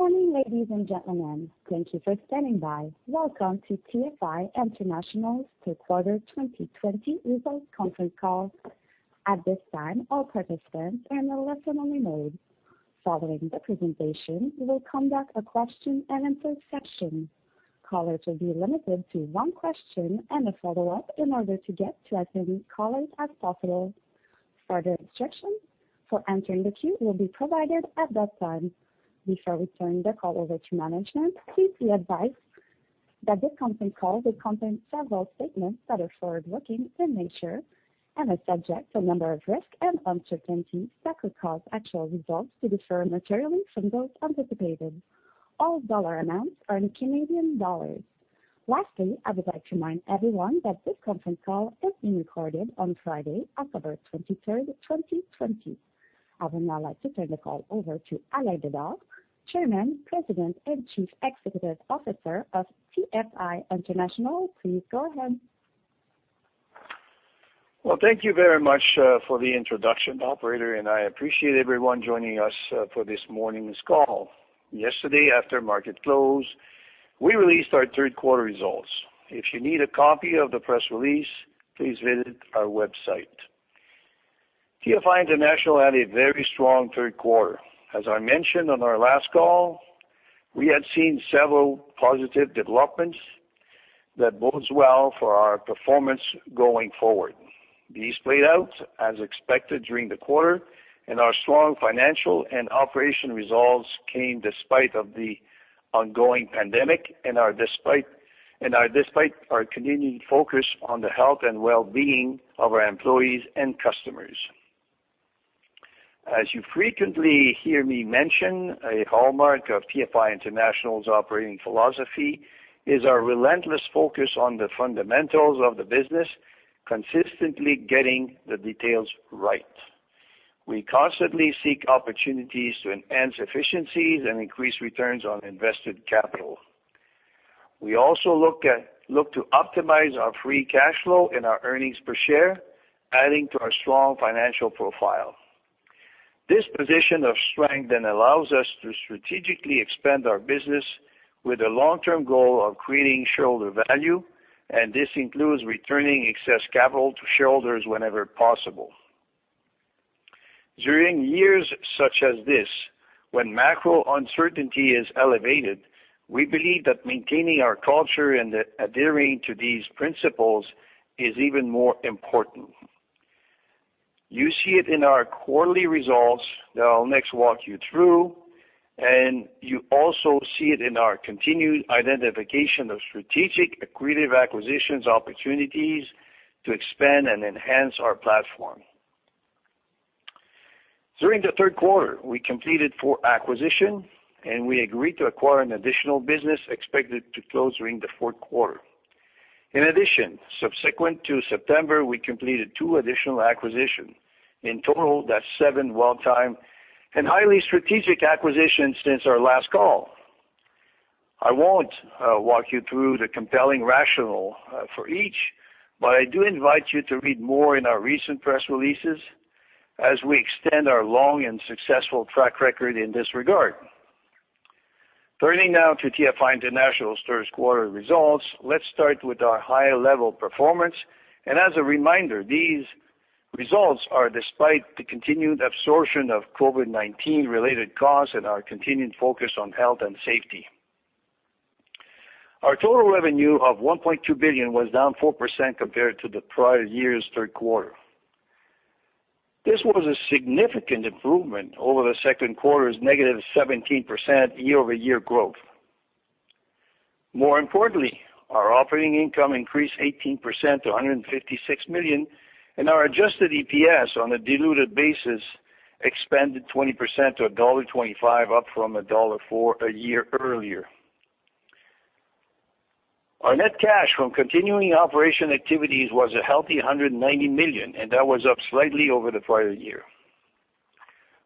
Good morning, ladies and gentlemen. Thank you for standing by. Welcome to TFI International's third quarter 2020 results conference call. At this time, all participants are in a listen-only mode. Following the presentation, we will conduct a question-and-answer session. Callers will be limited to one question and a follow-up in order to get to as many callers as possible. Further instructions for entering the queue will be provided at that time. Before we turn the call over to management, please be advised that this conference call will contain several statements that are forward-looking in nature and are subject to a number of risks and uncertainties that could cause actual results to differ materially from those anticipated. All dollar amounts are in Canadian dollars. Lastly, I would like to remind everyone that this conference call is being recorded on Friday, October 23rd, 2020. I would now like to turn the call over to Alain Bédard, Chairman, President, and Chief Executive Officer of TFI International. Please go ahead. Well, thank you very much for the introduction, operator, and I appreciate everyone joining us for this morning's call. Yesterday, after market close, we released our third quarter results. If you need a copy of the press release, please visit our website. TFI International had a very strong third quarter. As I mentioned on our last call, we had seen several positive developments that bodes well for our performance going forward. These played out as expected during the quarter, and our strong financial and operation results came despite of the ongoing pandemic and despite our continued focus on the health and well-being of our employees and customers. As you frequently hear me mention, a hallmark of TFI International's operating philosophy is our relentless focus on the fundamentals of the business, consistently getting the details right. We constantly seek opportunities to enhance efficiencies and increase returns on invested capital. We also look to optimize our free cash flow and our earnings per share, adding to our strong financial profile. This position of strength allows us to strategically expand our business with a long-term goal of creating shareholder value, and this includes returning excess capital to shareholders whenever possible. During years such as this, when macro uncertainty is elevated, we believe that maintaining our culture and adhering to these principles is even more important. You see it in our quarterly results that I'll next walk you through, and you also see it in our continued identification of strategic accretive acquisitions opportunities to expand and enhance our platform. During the third quarter, we completed four acquisitions, and we agreed to acquire an additional business expected to close during the fourth quarter. In addition, subsequent to September, we completed two additional acquisitions. In total, that's seven well-timed and highly strategic acquisitions since our last call. I won't walk you through the compelling rationale for each, but I do invite you to read more in our recent press releases as we extend our long and successful track record in this regard. Turning now to TFI International's third quarter results, let's start with our high-level performance. As a reminder, these results are despite the continued absorption of COVID-19 related costs and our continued focus on health and safety. Our total revenue of 1.2 billion was down 4% compared to the prior year's third quarter. This was a significant improvement over the second quarter's negative 17% year-over-year growth. More importantly, our operating income increased 18% to 156 million, and our adjusted EPS on a diluted basis expanded 20% to dollar 1.25, up from dollar 1.04 a year earlier. Our net cash from continuing operation activities was a healthy 190 million. That was up slightly over the prior year.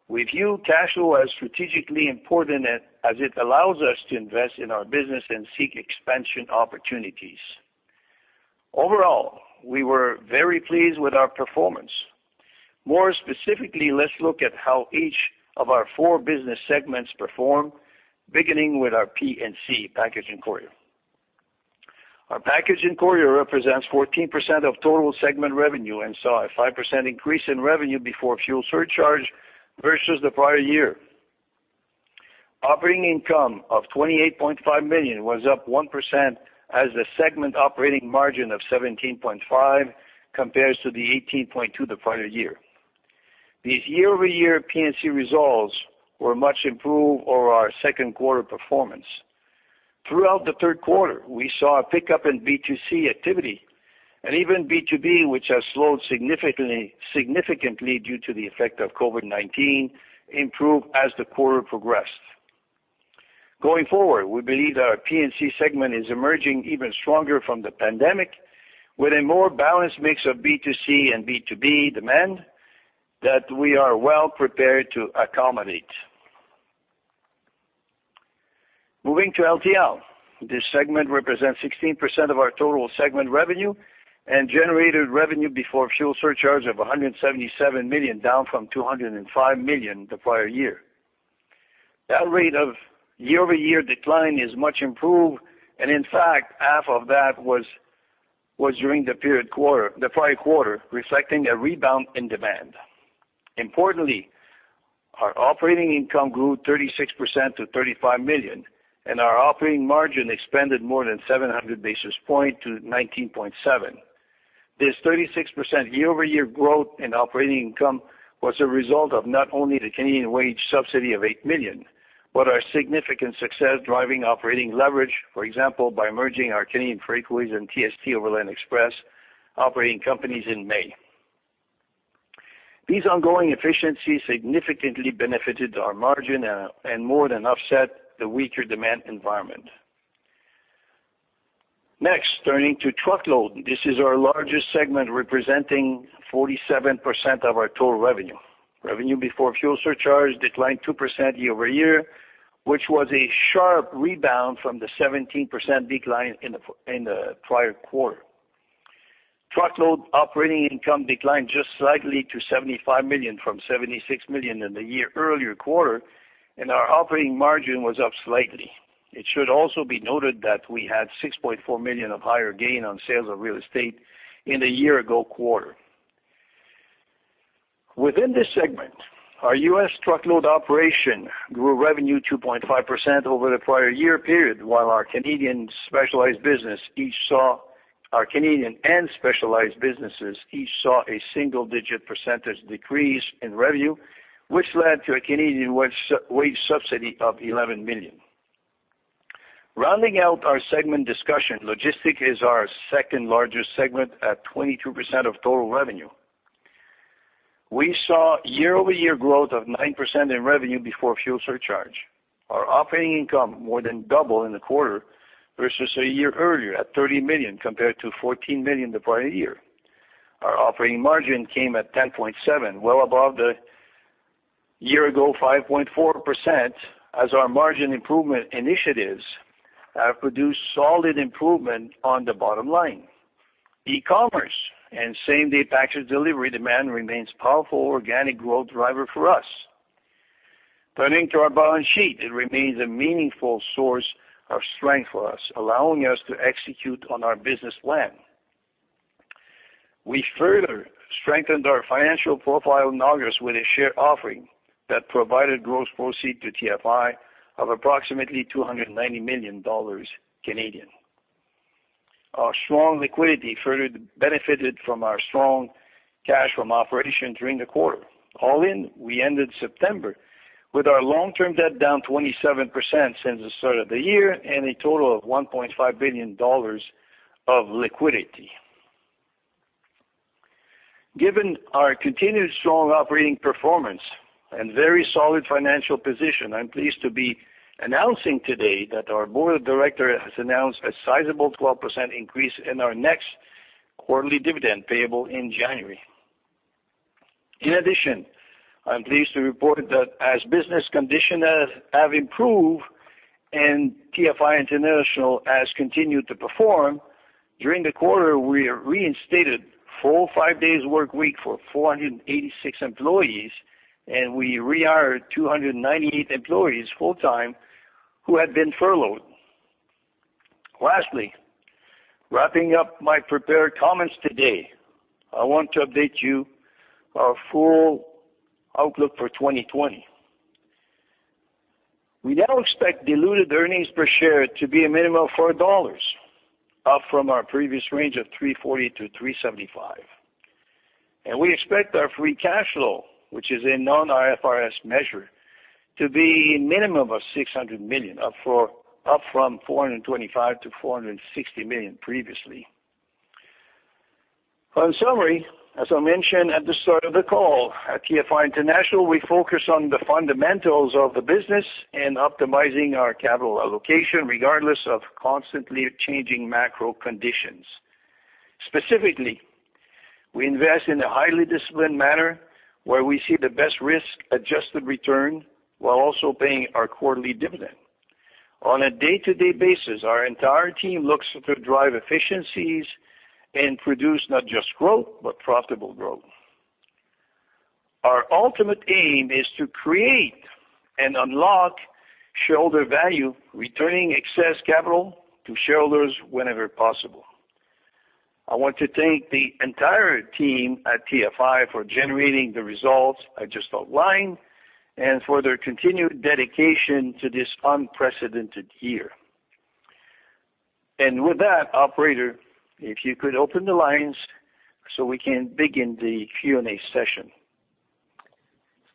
We view cash flow as strategically important as it allows us to invest in our business and seek expansion opportunities. Overall, we were very pleased with our performance. More specifically, let's look at how each of our four business segments performed, beginning with our P&C, Package and Courier. Our Package and Courier represents 14% of total segment revenue and saw a 5% increase in revenue before fuel surcharge versus the prior year. Operating income of 28.5 million was up 1% as the segment operating margin of 17.5% compares to the 18.2% the prior year. These year-over-year P&C results were much improved over our second quarter performance. Throughout the third quarter, we saw a pickup in B2C activity, and even B2B, which has slowed significantly due to the effect of COVID-19, improved as the quarter progressed. Going forward, we believe our P&C segment is emerging even stronger from the pandemic with a more balanced mix of B2C and B2B demand that we are well-prepared to accommodate. Moving to LTL. This segment represents 16% of our total segment revenue and generated revenue before fuel surcharge of 177 million, down from 205 million the prior year. That rate of year-over-year decline is much improved, and in fact, half of that was during the prior quarter, reflecting a rebound in demand. Importantly, our operating income grew 36% to 35 million, and our operating margin expanded more than 700 basis point to 19.7%. This 36% year-over-year growth in operating income was a result of not only the Canadian wage subsidy of 8 million, but our significant success driving operating leverage, for example, by merging our Canadian Freightways and TST Overland Express operating companies in May. These ongoing efficiencies significantly benefited our margin and more than offset the weaker demand environment. Turning to Truckload. This is our largest segment, representing 47% of our total revenue. Revenue before fuel surcharge declined 2% year-over-year, which was a sharp rebound from the 17% decline in the prior quarter. Truckload operating income declined just slightly to 75 million from 76 million in the year earlier quarter, and our operating margin was up slightly. It should also be noted that we had 6.4 million of higher gain on sales of real estate in the year-ago quarter. Within this segment, our U.S. Truckload operation grew revenue 2.5% over the prior-year period, while our Canadian and specialized businesses each saw a single-digit percentage decrease in revenue, which led to a Canadian wage subsidy of 11 million. Rounding out our segment discussion, Logistics is our second-largest segment at 22% of total revenue. We saw year-over-year growth of 9% in revenue before fuel surcharge. Our operating income more than doubled in the quarter versus a year earlier at 30 million compared to 14 million the prior year. Our operating margin came at 10.7%, well above the year-ago 5.4%, as our margin improvement initiatives have produced solid improvement on the bottom line. E-commerce and same-day package delivery demand remains powerful organic growth driver for us. Turning to our balance sheet, it remains a meaningful source of strength for us, allowing us to execute on our business plan. We further strengthened our financial profile in August with a share offering that provided gross proceeds to TFI of approximately 290 million Canadian dollars. Our strong liquidity further benefited from our strong cash from operations during the quarter. All in, we ended September with our long-term debt down 27% since the start of the year and a total of 1.5 billion dollars of liquidity. Given our continued strong operating performance and very solid financial position, I'm pleased to be announcing today that our Board of Directors has announced a sizable 12% increase in our next quarterly dividend payable in January. In addition, I'm pleased to report that as business conditions have improved and TFI International has continued to perform, during the quarter, we reinstated four-, five-day work week for 486 employees, and we rehired 298 employees full-time who had been furloughed. Lastly, wrapping up my prepared comments today, I want to update you our full outlook for 2020. We now expect diluted earnings per share to be a minimum of 4.00 dollars, up from our previous range of 3.40-3.75. We expect our free cash flow, which is a non-IFRS measure, to be a minimum of 600 million, up from 425 million-460 million previously. In summary, as I mentioned at the start of the call, at TFI International, we focus on the fundamentals of the business and optimizing our capital allocation regardless of constantly changing macro conditions. Specifically, we invest in a highly disciplined manner where we see the best risk-adjusted return while also paying our quarterly dividend. On a day-to-day basis, our entire team looks to drive efficiencies and produce not just growth, but profitable growth. Our ultimate aim is to create and unlock shareholder value, returning excess capital to shareholders whenever possible. I want to thank the entire team at TFI for generating the results I just outlined and for their continued dedication to this unprecedented year. With that, operator, if you could open the lines so we can begin the Q&A session.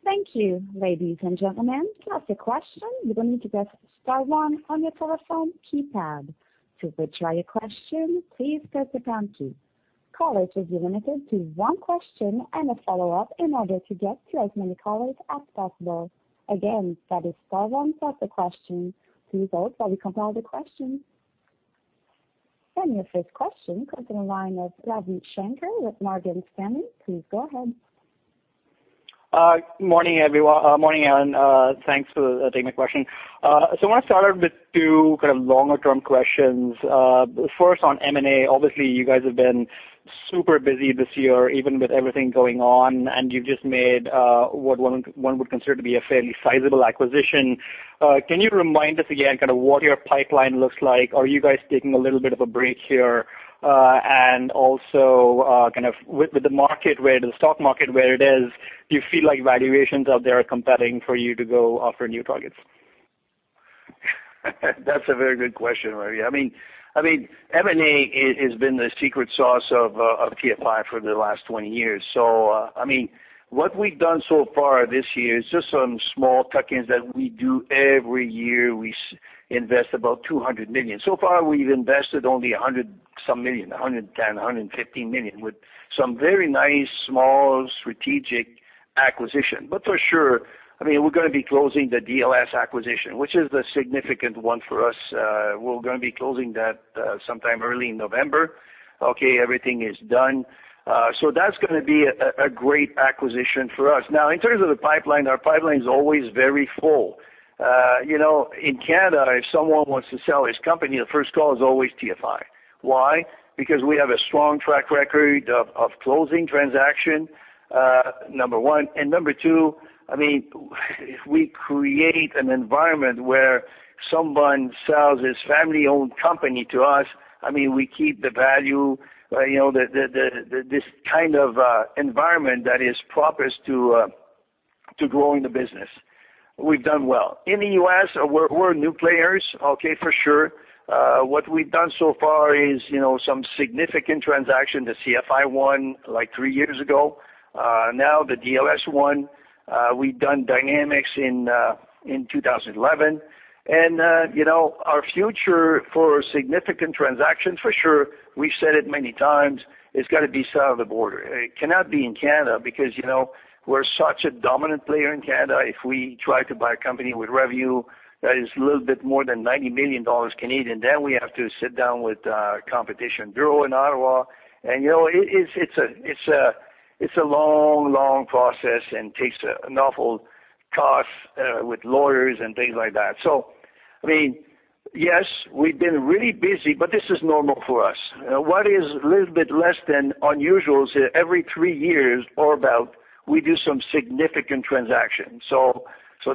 Thank you. Ladies and gentlemen, to ask a question you need to dial star one on your telephone keypad. To withdraw your question please press the pound key. Callers are limited to one question and a follow-up in order to get to as many callers as possible. Again, that is star one to ask a question. Please hold while we compile the questions. Your first question comes from the line of Ravi Shanker with Morgan Stanley. Please go ahead. Morning, everyone. Morning, Alain. Thanks for taking my question. I want to start out with two longer-term questions. First on M&A. Obviously, you guys have been super busy this year, even with everything going on, and you've just made what one would consider to be a fairly sizable acquisition. Can you remind us again what your pipeline looks like? Are you guys taking a little bit of a break here? Also, with the stock market where it is, do you feel like valuations out there are compelling for you to go after new targets? That's a very good question, Ravi. M&A has been the secret sauce of TFI for the last 20 years. What we've done so far this year is just some small tuck-ins that we do every year. We invest about 200 million. So far, we've invested only 100 some million, 110 million, 115 million with some very nice small strategic acquisition. For sure, we're going to be closing the DLS acquisition, which is the significant one for us. We're going to be closing that sometime early in November. Okay. Everything is done. That's going to be a great acquisition for us. Now, in terms of the pipeline, our pipeline is always very full. In Canada, if someone wants to sell his company, the first call is always TFI. Why? Because we have a strong track record of closing transaction, number one. Number two, if we create an environment where someone sells his family-owned company to us, we keep the value, this kind of environment that is proper to growing the business. We've done well. In the U.S., we're new players, okay? For sure. What we've done so far is some significant transaction, the CFI one, like three years ago. Now the DLS one. We've done Dynamex in 2011. Our future for significant transactions, for sure, we've said it many times, it's got to be south of the border. It cannot be in Canada because we're such a dominant player in Canada. If we try to buy a company with revenue that is a little bit more than 90 million Canadian dollars, then we have to sit down with Competition Bureau in Ottawa, and it's a long, long process and takes an awful cost with lawyers and things like that. Yes, we've been really busy, but this is normal for us. What is a little bit less than unusual is that every three years or about, we do some significant transactions.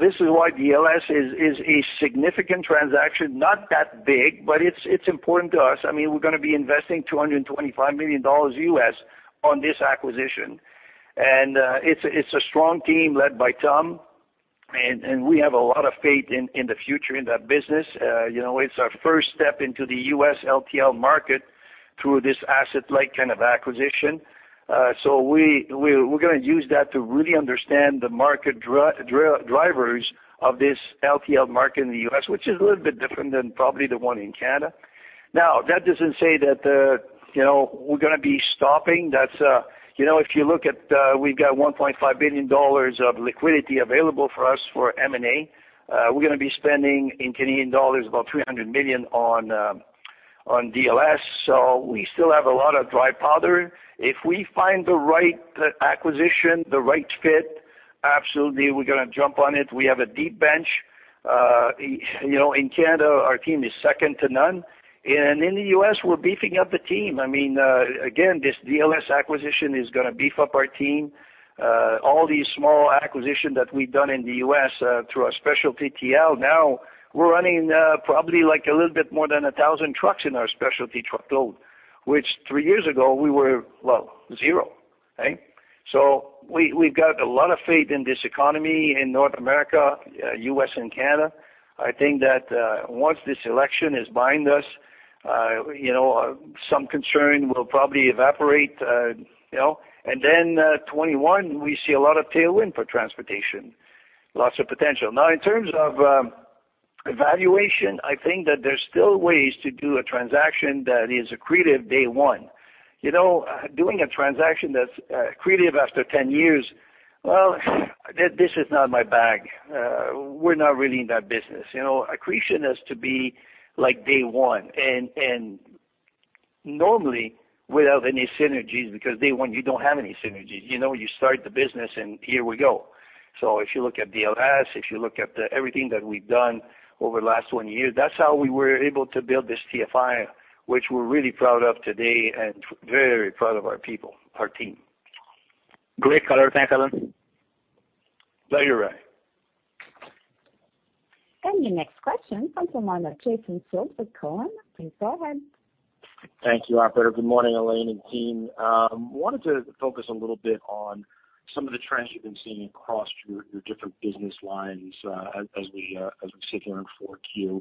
This is why DLS is a significant transaction. Not that big, but it's important to us. We're going to be investing $225 million on this acquisition. It's a strong team led by Tom, and we have a lot of faith in the future in that business. It's our first step into the U.S. LTL market through this asset-like kind of acquisition. We're going to use that to really understand the market drivers of this LTL market in the U.S., which is a little bit different than probably the one in Canada. That doesn't say that we're going to be stopping. If you look at, we've got 1.5 billion dollars of liquidity available for us for M&A. We're going to be spending in Canadian dollars about 300 million on DLS, so we still have a lot of dry powder. If we find the right acquisition, the right fit, absolutely, we're going to jump on it. We have a deep bench. In Canada, our team is second to none. In the U.S., we're beefing up the team. Again, this DLS acquisition is going to beef up our team. All these small acquisitions that we've done in the U.S. through our specialty TL, now we're running probably a little bit more than 1,000 trucks in our specialty Truckload, which three years ago we were, well, zero, right? We've got a lot of faith in this economy in North America, U.S. and Canada. I think that once this election is behind us, some concern will probably evaporate. Then 2021, we see a lot of tailwind for transportation, lots of potential. Now, in terms of valuation, I think that there's still ways to do a transaction that is accretive day one. Doing a transaction that's accretive after 10 years, well, this is not my bag. We're not really in that business. Accretion has to be day one, and normally without any synergies, because day one, you don't have any synergies. You start the business, and here we go. If you look at DLS, if you look at everything that we've done over the last one year, that's how we were able to build this TFI, which we're really proud of today and very proud of our people, our team. Great color. Thanks, Alain. Thank you, Ravi. Your next question comes from line of Jason Seidl with Cowen. Please go ahead. Thank you, operator. Good morning, Alain and team. I wanted to focus a little bit on some of the trends you've been seeing across your different business lines as we sit here in 4Q.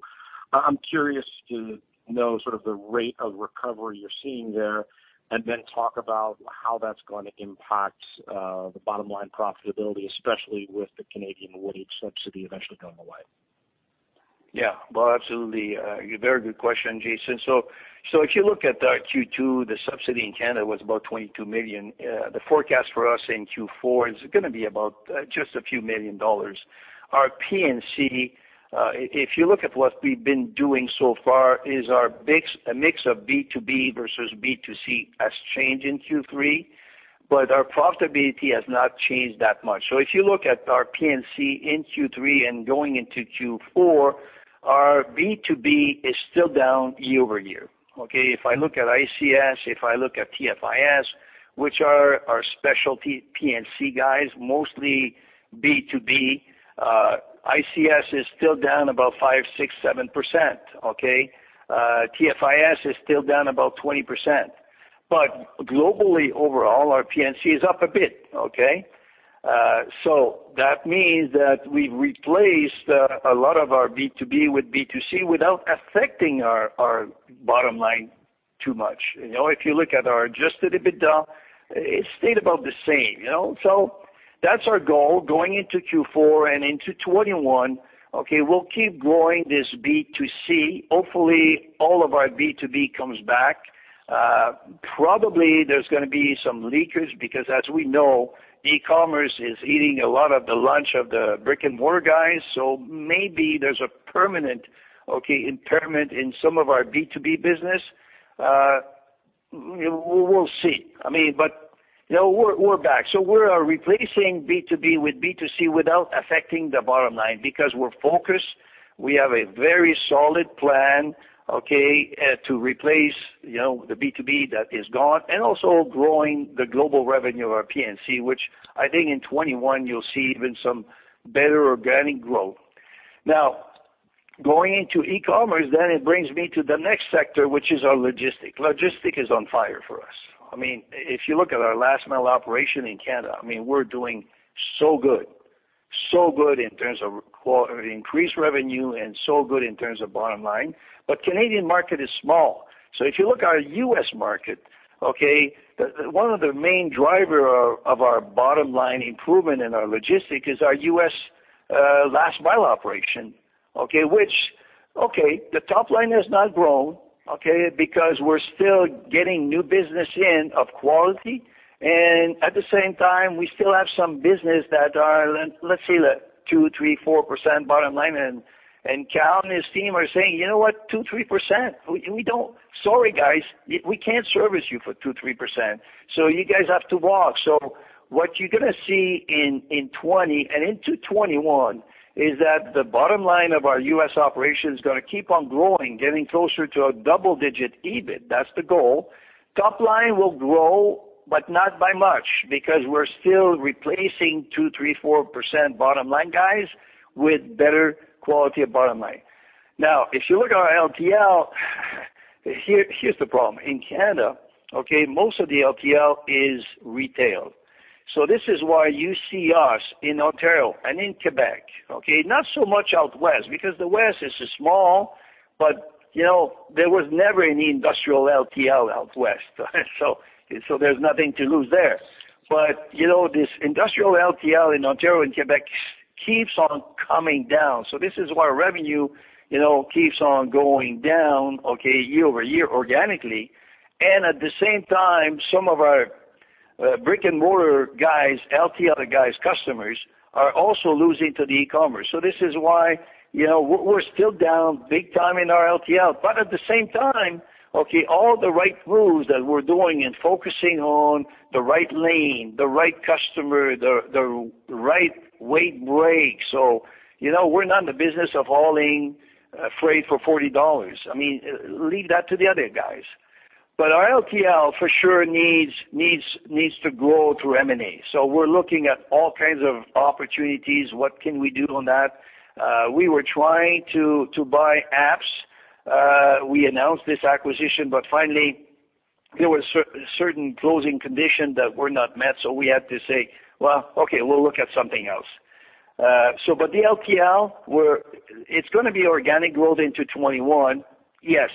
I'm curious to know sort of the rate of recovery you're seeing there. Then talk about how that's going to impact the bottom-line profitability, especially with the Canadian wage subsidy eventually going away. Yeah. Well, absolutely. A very good question, Jason. If you look at our Q2, the subsidy in Canada was about 22 million. The forecast for us in Q4 is going to be about just a few million. Our P&C, if you look at what we've been doing so far, is our mix of B2B versus B2C has changed in Q3. But our profitability has not changed that much. If you look at our P&C in Q3 and going into Q4, our B2B is still down year-over-year. If I look at ICS, if I look at TFIS, which are our specialty P&C guys, mostly B2B, ICS is still down about 5%, 6%, 7%. TFIS is still down about 20%. Globally overall, our P&C is up a bit. That means that we've replaced a lot of our B2B with B2C without affecting our bottom line too much. If you look at our adjusted EBITDA, it stayed about the same. That's our goal going into Q4 and into 2021. We'll keep growing this B2C. Hopefully, all of our B2B comes back. Probably there's going to be some leakage because as we know, e-commerce is eating a lot of the lunch of the brick-and-mortar guys. Maybe there's a permanent impairment in some of our B2B business. We'll see. We're back. We are replacing B2B with B2C without affecting the bottom line because we're focused. We have a very solid plan to replace the B2B that is gone and also growing the global revenue of our P&C, which I think in 2021 you'll see even some better organic growth. Going into e-commerce, it brings me to the next sector, which is our logistics. Logistics is on fire for us. If you look at our last mile operation in Canada, we're doing so good. So good in terms of increased revenue and so good in terms of bottom line, but Canadian market is small. If you look at our U.S. market, one of the main driver of our bottom-line improvement in our logistics is our U.S. last mile operation, which the top line has not grown because we're still getting new business in of quality and at the same time, we still have some business that are, let's say, 2%, 3%, 4% bottom line and Kal and his team are saying, "You know what? 2%, 3%, sorry guys, we can't service you for 2%, 3%. You guys have to walk." What you're going to see in 2020 and into 2021 is that the bottom line of our U.S. operation is going to keep on growing, getting closer to a double-digit EBIT. That's the goal. Top line will grow, but not by much because we're still replacing 2%, 3%, 4% bottom-line guys with better quality of bottom line. Now, if you look at our LTL, here's the problem. In Canada, most of the LTL is retail. This is why you see us in Ontario and in Quebec. Not so much out West because the West is small, but there was never any industrial LTL out West. There's nothing to lose there. This industrial LTL in Ontario and Quebec keeps on coming down. This is why revenue keeps on going down year-over-year organically and at the same time, some of our brick-and-mortar guys, LTL guys' customers are also losing to the e-commerce. This is why we're still down big time in our LTL. At the same time, all the right moves that we're doing and focusing on the right lane, the right customer, the right weight break. We're not in the business of hauling freight for 40 dollars. Leave that to the other guys. Our LTL for sure needs to grow through M&A. We're looking at all kinds of opportunities. What can we do on that? We were trying to buy APPS. We announced this acquisition. Finally, there were certain closing conditions that were not met. We had to say, "Well, okay, we will look at something else." The LTL, it is going to be organic growth into 2021, yes.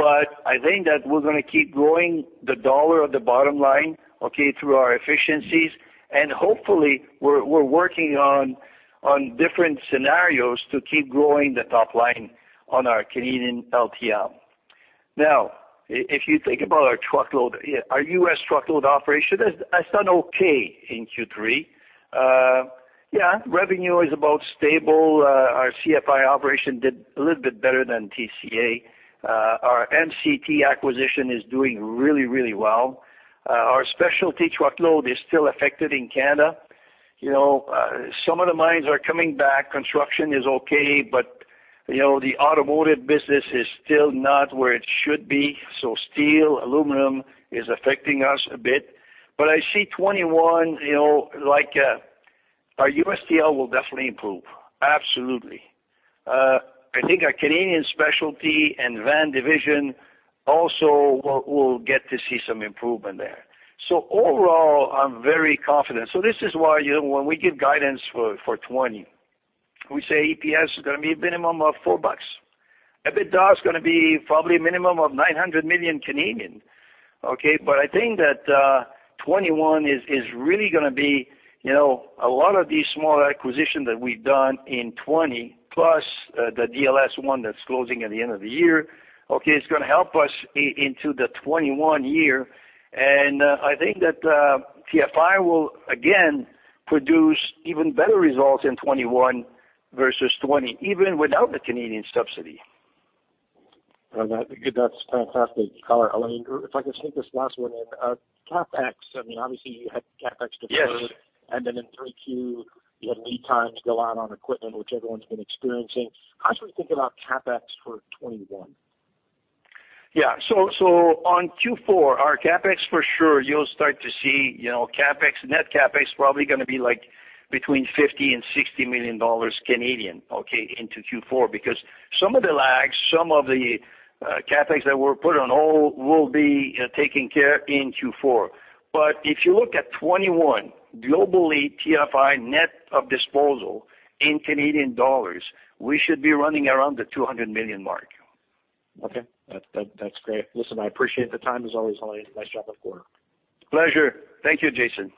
I think that we are going to keep growing the dollar of the bottom line through our efficiencies and hopefully we are working on different scenarios to keep growing the top line on our Canadian LTL. Now, if you think about our U.S. truckload operation, has done okay in Q3. Revenue is about stable. Our CFI operation did a little bit better than TCA. Our MCT acquisition is doing really well. Our specialty truckload is still affected in Canada. Some of the mines are coming back. Construction is okay. The automotive business is still not where it should be. Steel, aluminum is affecting us a bit. I see 2021, our U.S. TL will definitely improve. Absolutely. I think our Canadian specialty and van division also will get to see some improvement there. Overall, I'm very confident. This is why when we give guidance for 2020, we say EPS is going to be a minimum of 4.00 bucks. EBITDA is going to be probably a minimum of 900 million. I think that 2021 is really going to be a lot of these small acquisitions that we've done in 2020 plus the DLS one that's closing at the end of the year. It's going to help us into the 2021 year and I think that TFI will again produce even better results in 2021 versus 2020, even without the Canadian subsidy. That's fantastic. Alain, if I could sneak this last one in. CapEx, I mean, obviously you had CapEx deferred. Yes. In 3Q, you had lead times go out on equipment, which everyone's been experiencing. How should we think about CapEx for 2021? On Q4, our CapEx for sure, you'll start to see net CapEx probably going to be between 50 million and 60 million dollars into Q4. Some of the lags, some of the CapEx that were put on hold will be taken care of in Q4. If you look at 2021, globally, TFI net of disposal in Canadian dollars, we should be running around the 200 million mark. Okay. That's great. Listen, I appreciate the time, as always, Alain. Nice job on quarter. Pleasure. Thank you, Jason.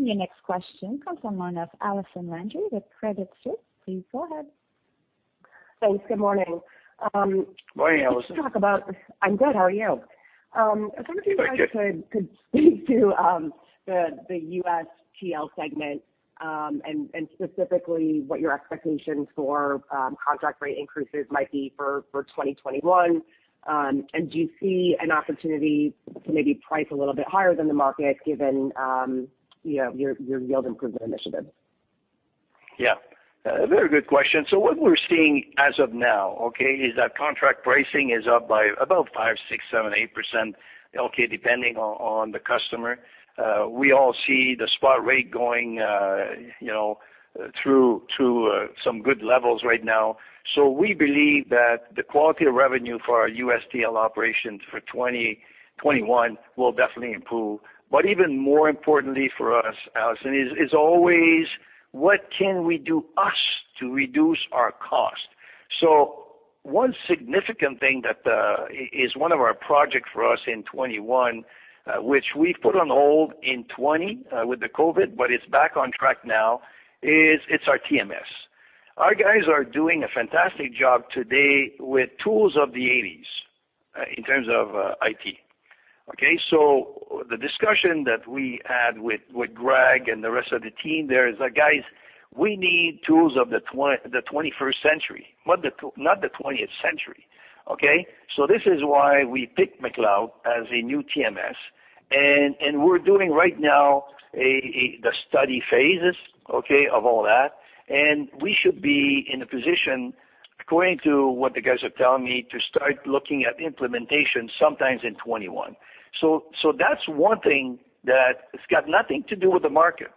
Your next question comes from the line of Allison Landry with Credit Suisse. Please go ahead. Thanks. Good morning. Morning, Allison. I'm good. How are you? Thank you. I was wondering if you guys could speak to the U.S. TL segment, and specifically what your expectations for contract rate increases might be for 2021. Do you see an opportunity to maybe price a little bit higher than the market given your yield improvement initiatives? Yeah. A very good question. What we're seeing as of now, okay, is that contract pricing is up by about 5%, 6%, 7%, 8%, depending on the customer. We all see the spot rate going through some good levels right now. We believe that the quality of revenue for our U.S. TL operations for 2021 will definitely improve. Even more importantly for us, Allison, is always what can we do, us, to reduce our cost? One significant thing that is one of our projects for us in 2021, which we put on hold in 2020 with the COVID-19, but it's back on track now, is our TMS. Our guys are doing a fantastic job today with tools of the 1980s, in terms of IT. Okay? The discussion that we had with Greg and the rest of the team there is that, "Guys, we need tools of the 21st century, not the 20th century." Okay? This is why we picked McLeod as a new TMS, and we're doing right now the study phases of all that, and we should be in a position, according to what the guys are telling me, to start looking at implementation sometimes in 2021. That's one thing that it's got nothing to do with the market,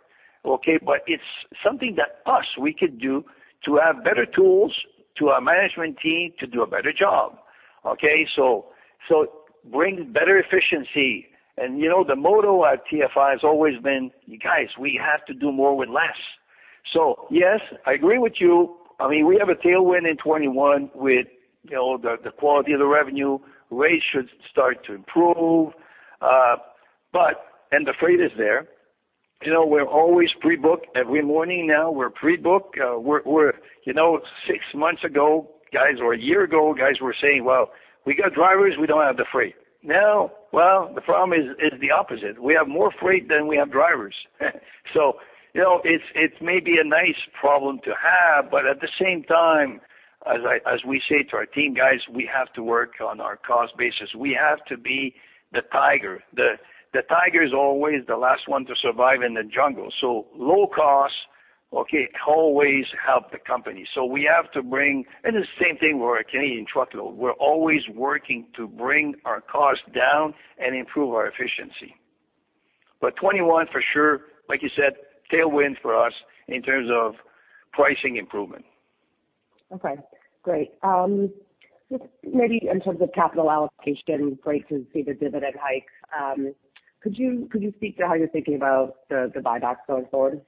okay? It's something that us, we could do to have better tools to our management team to do a better job. Bring better efficiency. You know, the motto at TFI has always been, "You guys, we have to do more with less." Yes, I agree with you. I mean, we have a tailwind in 2021 with the quality of the revenue. Rates should start to improve. The freight is there. We're always pre-booked. Every morning now, we're pre-booked. Six months ago, guys, or a year ago, guys were saying, "Well, we got drivers. We don't have the freight." Now, well, the problem is the opposite. We have more freight than we have drivers. It may be a nice problem to have, but at the same time, as we say to our team, "Guys, we have to work on our cost basis. We have to be the tiger." The tiger is always the last one to survive in the jungle. Low costs always help the company. The same thing with our Canadian truckload. We're always working to bring our costs down and improve our efficiency. But 2021 for sure, like you said, tailwind for us in terms of pricing improvement. Okay, great. Just maybe in terms of capital allocation, great to see the dividend hike. Could you speak to how you're thinking about the buybacks going forward?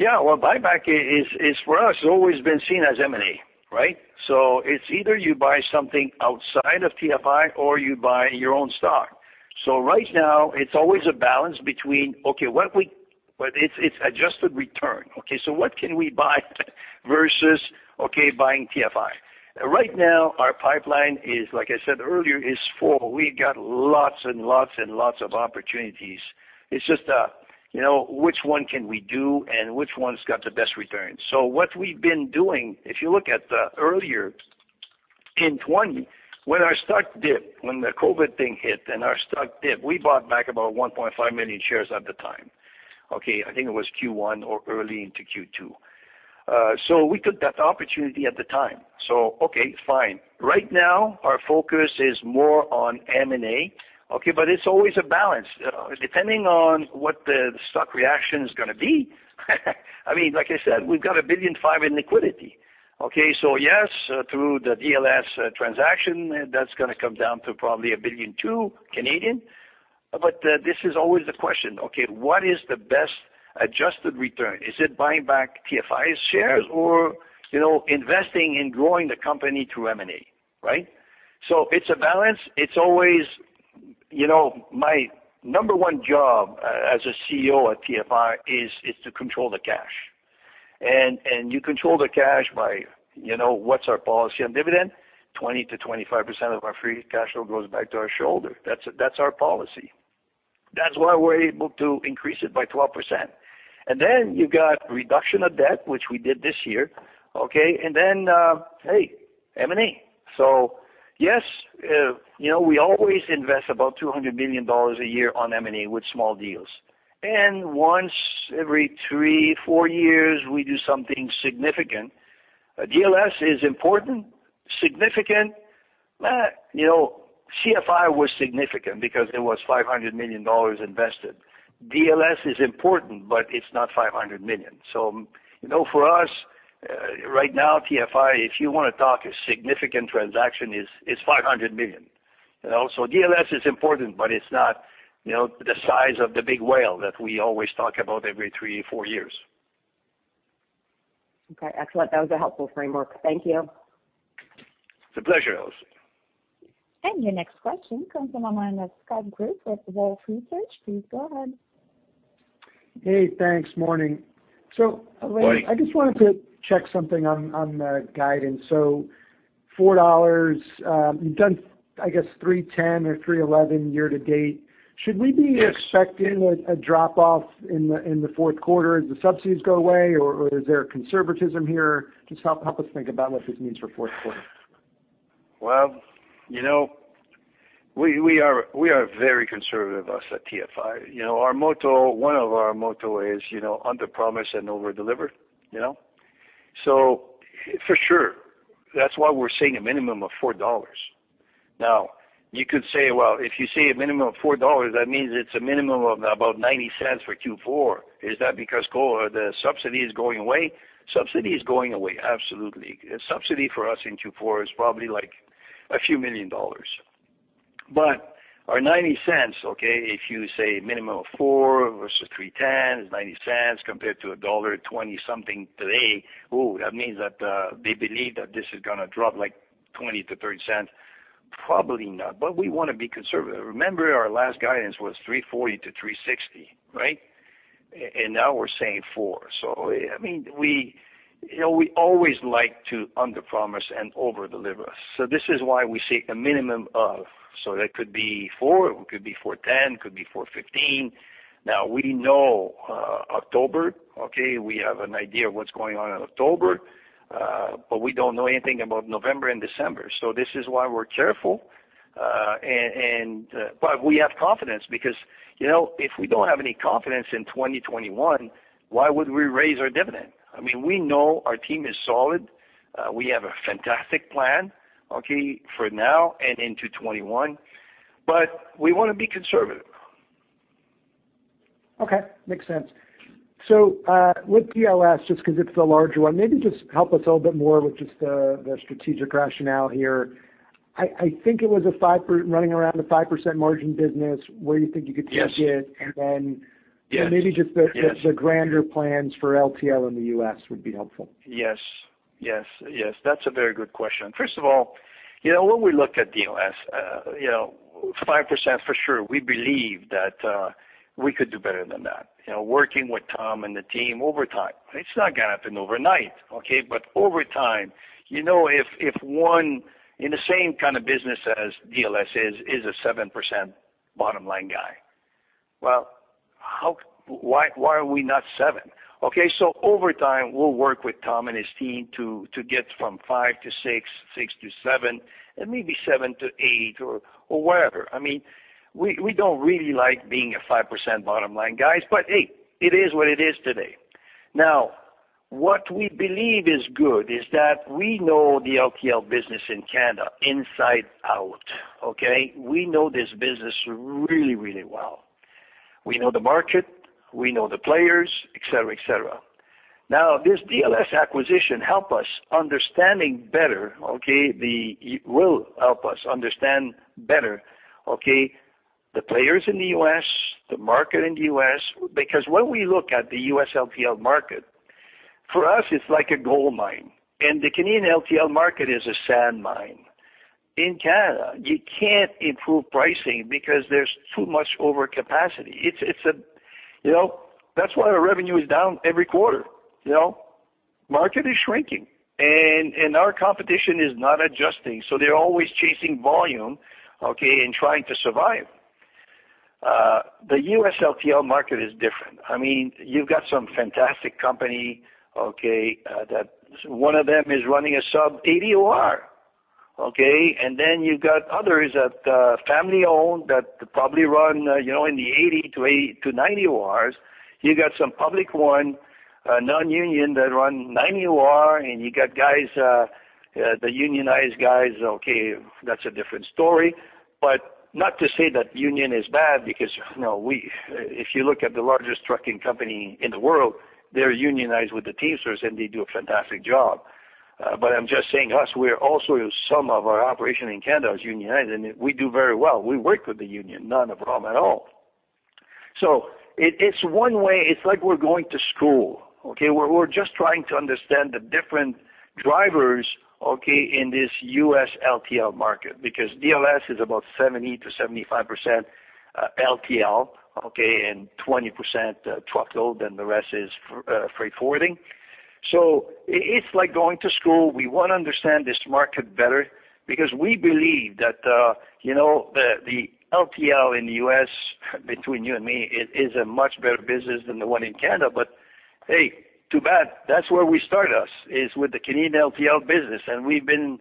Well, buyback is for us always been seen as M&A, right. It's either you buy something outside of TFI or you buy your own stock. Right now it's always a balance between, it's adjusted return. What can we buy versus buying TFI. Right now our pipeline is, like I said earlier, is full. We got lots and lots of opportunities. It's just which one can we do and which one's got the best returns. What we've been doing, if you look at the earlier in 2020 when our stock dipped, when the COVID thing hit and our stock dipped, we bought back about 1.5 million shares at the time. Okay. I think it was Q1 or early into Q2. We took that opportunity at the time. So, okay, fine. Right now our focus is more on M&A. Okay? It's always a balance, depending on what the stock reaction is going to be. I mean, like I said, we've got 1.5 billion in liquidity. Okay? Yes, through the DLS transaction, that's going to come down to probably 1.2 billion. This is always the question. Okay, what is the best adjusted return? Is it buying back TFI's shares or investing in growing the company through M&A, right? It's a balance. My number one job as a CEO at TFI is to control the cash. You control the cash by what's our policy on dividend? 20%-25% of our free cash flow goes back to our shareholder. That's our policy. That's why we're able to increase it by 12%. Then you've got reduction of debt, which we did this year. Okay? Then, hey, M&A. Yes, we always invest about 200 million dollars a year on M&A with small deals. Once every three, four years, we do something significant. DLS is important, significant. TFI was significant because it was 500 million dollars invested. DLS is important, but it's not 500 million. For us, right now, TFI, if you want to talk a significant transaction is 500 million. DLS is important, but it's not the size of the big whale that we always talk about every three, four years. Okay, excellent. That was a helpful framework. Thank you. It's a pleasure, Allison. Your next question comes from the line of Scott Group with Wolfe Research. Please go ahead. Hey, thanks. Morning. Morning. Alain, I just wanted to check something on the guidance. 4.00 dollars, you've done, I guess 3.10 or 3.11 year-to-date. Should we be expecting- Yes ...a drop off in the fourth quarter as the subsidies go away? Is there a conservatism here? Just help us think about what this means for fourth quarter. Well, we are very conservative us at TFI. One of our motto is, "Under promise and over deliver." For sure, that's why we're saying a minimum of 4.00 dollars. Now, you could say, well, if you say a minimum of 4.00 dollars, that means it's a minimum of about 0.90 for Q4. Is that because the subsidy is going away? Subsidy is going away, absolutely. Subsidy for us in Q4 is probably like a few million dollars. Our 0.90, okay, if you say minimum of 4.00 Versus 3.10 is 0.90 compared to dollar 1.20 something today, ooh, that means that they believe that this is going to drop like 0.20 to 0.30. Probably not, but we want to be conservative. Remember, our last guidance was 3.40 to 3.60, right? Now we're saying 4.00. We always like to under promise and over deliver. This is why we say a minimum of. That could be 4.00, it could be 4.10, could be 4.15. We know October, okay, we have an idea of what's going on in October, but we don't know anything about November and December. This is why we're careful. We have confidence because, if we don't have any confidence in 2021, why would we raise our dividend? We know our team is solid. We have a fantastic plan, okay, for now and into 2021. We want to be conservative. Okay. Makes sense. With DLS, just because it's the larger one, maybe just help us a little bit more with just the strategic rationale here. I think it was running around a 5% margin business where you think you could take it. Yes. And then- Yes ...maybe just the grander plans for LTL in the U.S. would be helpful. Yes. That's a very good question. First of all, when we look at DLS, 5% for sure, we believe that we could do better than that. Working with Tom and the team over time. It's not going to happen overnight, okay? Over time, if one in the same kind of business as DLS is a 7% bottom line guy. Well, why are we not 7%? Over time, we'll work with Tom and his team to get from 5% to 6% to 7%, and maybe 7% to 8% or whatever. We don't really like being a 5% bottom line guys, but hey, it is what it is today. What we believe is good is that we know the LTL business in Canada inside out, okay? We know this business really, really well. We know the market, we know the players, etc. This DLS acquisition will help us understand better the players in the U.S., the market in the U.S. When we look at the U.S. LTL market, for us, it's like a gold mine, and the Canadian LTL market is a sand mine. In Canada, you can't improve pricing because there's too much over capacity. That's why our revenue is down every quarter. Market is shrinking, our competition is not adjusting, they're always chasing volume and trying to survive. The U.S. LTL market is different. You've got some fantastic company that one of them is running a sub-80% OR. You've got others that are family-owned that probably run in the 80%-90% ORs. You got some public one, non-union that run 90% OR, you got guys, the unionized guys, that's a different story. Not to say that union is bad because, if you look at the largest trucking company in the world, they're unionized with the Teamsters, and they do a fantastic job. I'm just saying us, we're also some of our operation in Canada is unionized, and we do very well. We work with the union, not a problem at all. It's one way. It's like we're going to school. We're just trying to understand the different drivers in this U.S. LTL market, because DLS is about 70%-75% LTL, and 20% truckload, and the rest is freight forwarding. It's like going to school. We want to understand this market better because we believe that the LTL in the U.S., between you and me, it is a much better business than the one in Canada, but, hey, too bad. That's where we start is with the Canadian LTL business. We've been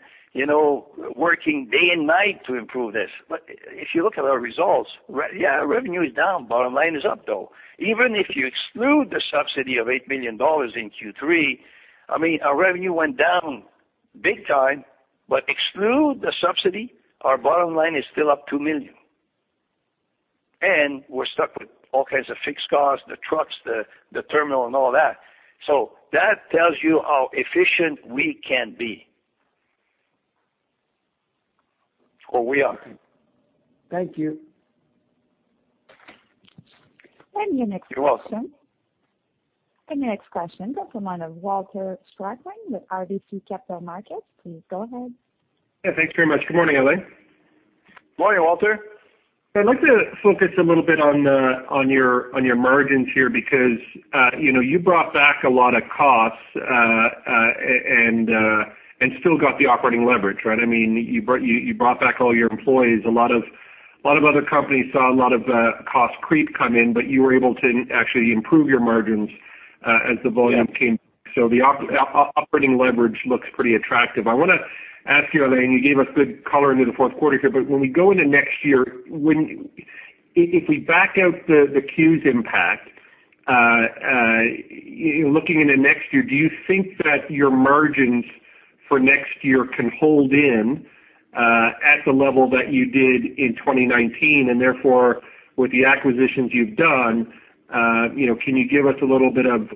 working day and night to improve this. If you look at our results, yeah, our revenue is down. Bottom line is up, though. Even if you exclude the subsidy of 8 million dollars in Q3, our revenue went down big time, but exclude the subsidy, our bottom line is still up 2 million, and we're stuck with all kinds of fixed costs, the trucks, the terminal and all that. That tells you how efficient we can be or we are. Thank you. Your next question- You're welcome. The next question comes from line of Walter Spracklin with RBC Capital Markets. Please go ahead. Yeah, thanks very much. Good morning, Alain. Morning, Walter. I'd like to focus a little bit on your margins here because you brought back a lot of costs and still got the operating leverage, right? You brought back all your employees. A lot of other companies saw a lot of cost creep come in, but you were able to actually improve your margins as the volume came. The operating leverage looks pretty attractive. I want to ask you, Alain, you gave us good color into the fourth quarter here, but when we go into next year, if we back out the Qs impact, looking into next year, do you think that your margins for next year can hold in at the level that you did in 2019? therefore, with the acquisitions you've done, can you give us a little bit of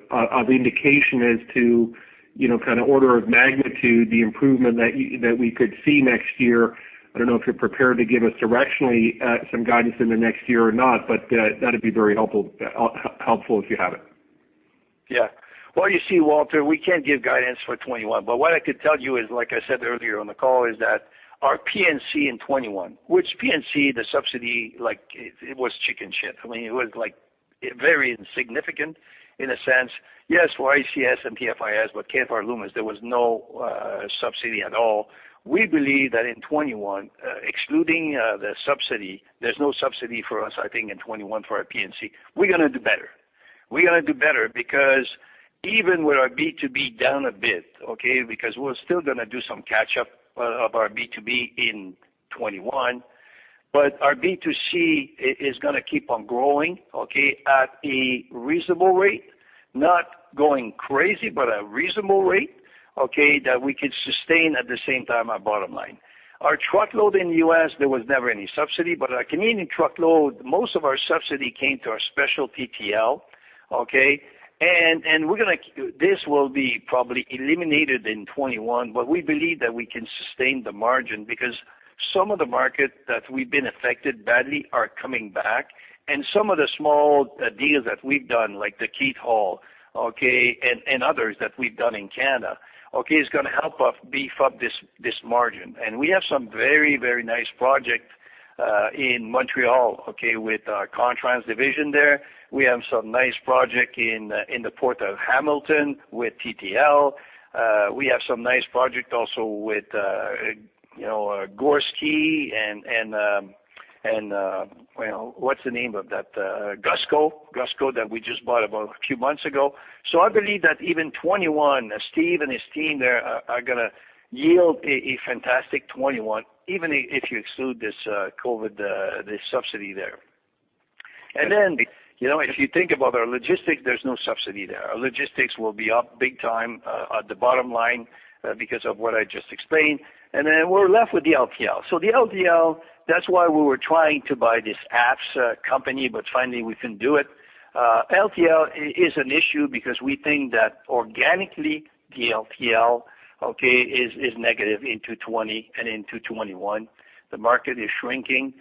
indication as to kind of order of magnitude the improvement that we could see next year? I don't know if you're prepared to give us directionally some guidance in the next year or not, but that'd be very helpful if you have it. Yeah. Well, you see, Walter, we can't give guidance for 2021. What I could tell you is, like I said earlier on the call, is that our P&C in 2021, which P&C the subsidy, like it was chicken shit. It was very insignificant in a sense. Yes, ICS and TFIS, but Canpar and Loomis, there was no subsidy at all. We believe that in 2021, excluding the subsidy, there's no subsidy for us, I think in 2021 for our P&C, we're going to do better. We're going to do better because even with our B2B down a bit, okay, because we're still going to do some catch up of our B2B in 2021. Our B2C is going to keep on growing, okay, at a reasonable rate, not going crazy, but a reasonable rate, okay, that we could sustain at the same time our bottom line. Our truckload in the U.S., there was never any subsidy, but our Canadian truckload, most of our subsidy came to our special TL, okay? This will be probably eliminated in 2021. We believe that we can sustain the margin because some of the market that we've been affected badly are coming back. Some of the small deals that we've done, like the Keith Hall, okay, and others that we've done in Canada, okay, is going to help us beef up this margin. We have some very, very nice project in Montreal, okay, with our Contrans division there. We have some nice project in the Port of Hamilton with TTL. We have some nice project also with Gorski and what's the name of that? Gusgo that we just bought about a few months ago. I believe that even 2021, Steve and his team there are going to yield a fantastic 2021, even if you exclude this COVID, this subsidy there. If you think about our logistics, there's no subsidy there. Our logistics will be up big time at the bottom line because of what I just explained. We're left with the LTL. The LTL, that's why we were trying to buy this APPS company, but finally we couldn't do it. LTL is an issue because we think that organically the LTL, okay, is negative into 2020 and into 2021. The market is shrinking.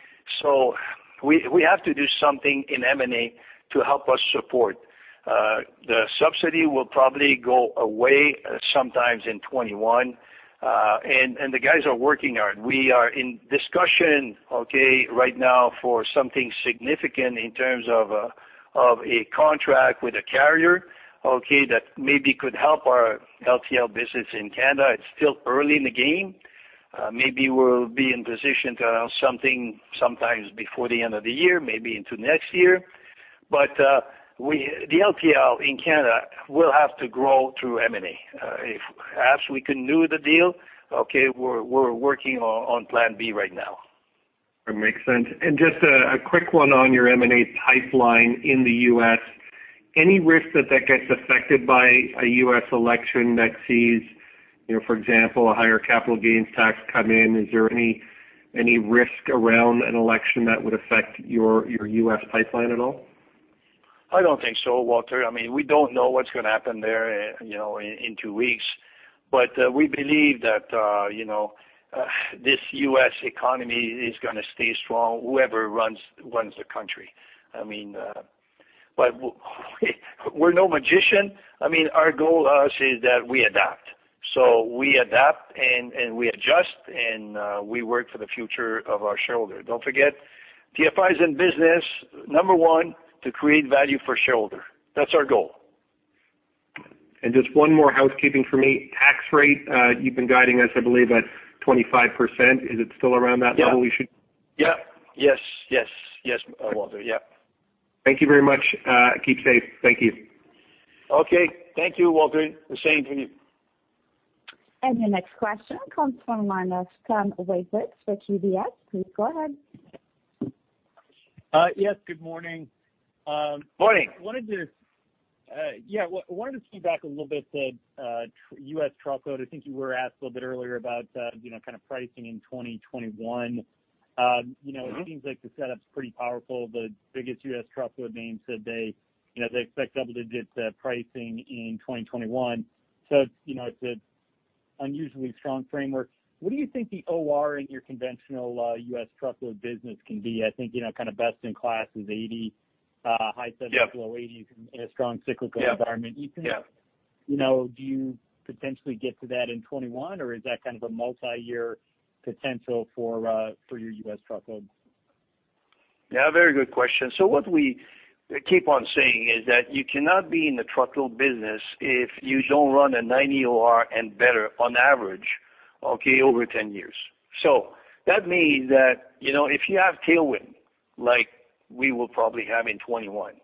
We have to do something in M&A to help us support. The subsidy will probably go away sometimes in 2021. The guys are working on it. We are in discussion, okay, right now for something significant in terms of a contract with a carrier, okay, that maybe could help our LTL business in Canada. It's still early in the game. Maybe we'll be in position to announce something sometimes before the end of the year, maybe into next year. The LTL in Canada will have to grow through M&A. If perhaps we couldn't do the deal, okay, we're working on plan B right now. That makes sense. Just a quick one on your M&A pipeline in the U.S. Any risk that gets affected by a U.S. election that sees, for example, a higher capital gains tax come in? Is there any risk around an election that would affect your U.S. pipeline at all? I don't think so, Walter. We don't know what's going to happen there in two weeks. We believe that this U.S. economy is going to stay strong, whoever runs the country. We're no magician. Our goal is that we adapt. We adapt and we adjust and we work for the future of our shareholder. Don't forget, TFI is in business, number one, to create value for shareholders. That's our goal. Just one more housekeeping for me. Tax rate, you've been guiding us, I believe, at 25%. Is it still around that level we should-? Yeah. Yes, Walter. Yep. Thank you very much. Keep safe. Thank you. Okay. Thank you, Walter. The same to you. Your next question comes from the line of Tom Wadewitz with UBS. Please go ahead. Yes, good morning. Morning. Yeah. I wanted to feedback a little bit the U.S. truckload. I think you were asked a little bit earlier about kind of pricing in 2021. It seems like the setup's pretty powerful. The biggest U.S. truckload names said they expect double-digit pricing in 2021. It's an unusually strong framework. What do you think the OR in your conventional U.S. truckload business can be? I think, kind of best in class is 80%, high 70s- Yeah ...low 80s in a strong cyclical environment. Yeah. Do you potentially get to that in 2021, or is that kind of a multi-year potential for your U.S. truckload? Yeah, very good question. What we keep on saying is that you cannot be in the truckload business if you don't run a 90% OR and better on average over 10 years. That means that, if you have tailwind, like we will probably have in 2021,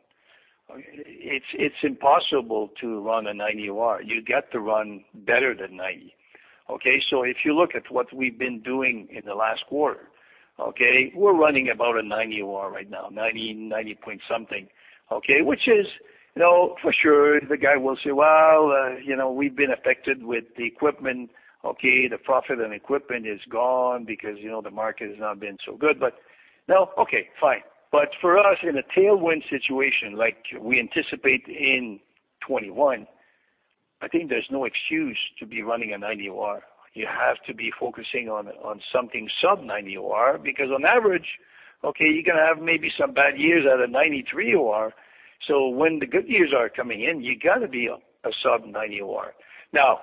it's impossible to run a 90% OR. You get to run better than 90%. Okay? If you look at what we've been doing in the last quarter, we're running about a 90% OR right now, 90 point something. Okay? Which is, for sure the guy will say, "Well, we've been affected with the equipment. The profit and equipment is gone because the market has not been so good." No. Okay, fine. For us, in a tailwind situation like we anticipate in 2021, I think there's no excuse to be running a 90% OR. You have to be focusing on something sub-90% OR, because on average, you're going to have maybe some bad years at a 93% OR. When the good years are coming in, you got to be a sub-90% OR. Now,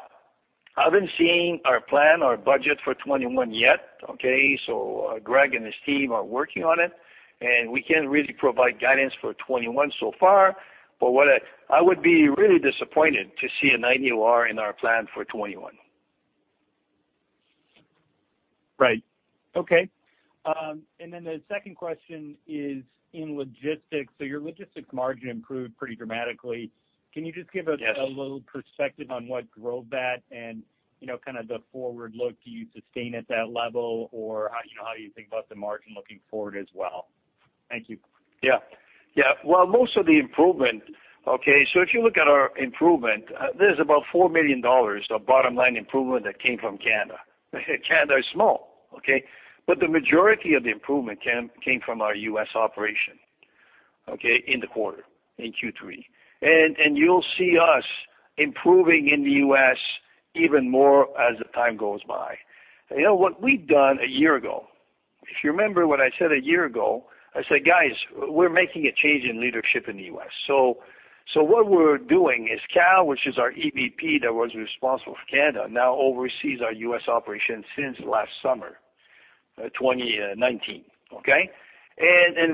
I haven't seen our plan, our budget for 2021 yet. Okay? Greg and his team are working on it, and we can't really provide guidance for 2021 so far, but I would be really disappointed to see a 90% OR in our plan for 2021. Right. Okay. the second question is in logistics. Your logistics margin improved pretty dramatically. Can you just give a- Yes ...a little perspective on what drove that and, kind of the forward look, do you sustain at that level or, how do you think about the margin looking forward as well? Thank you. Yeah. Well, most of the improvement, so if you look at our improvement, there's about 4 million dollars of bottom-line improvement that came from Canada. Canada is small, okay? The majority of the improvement came from our U.S. operation in the quarter, in Q3. You'll see us improving in the U.S. even more as time goes by. What we've done a year ago, if you remember what I said a year ago, I said, "Guys, we're making a change in leadership in the U.S." What we're doing is Kal, which is our EVP that was responsible for Canada, now oversees our U.S. operations since last summer, 2019. Okay?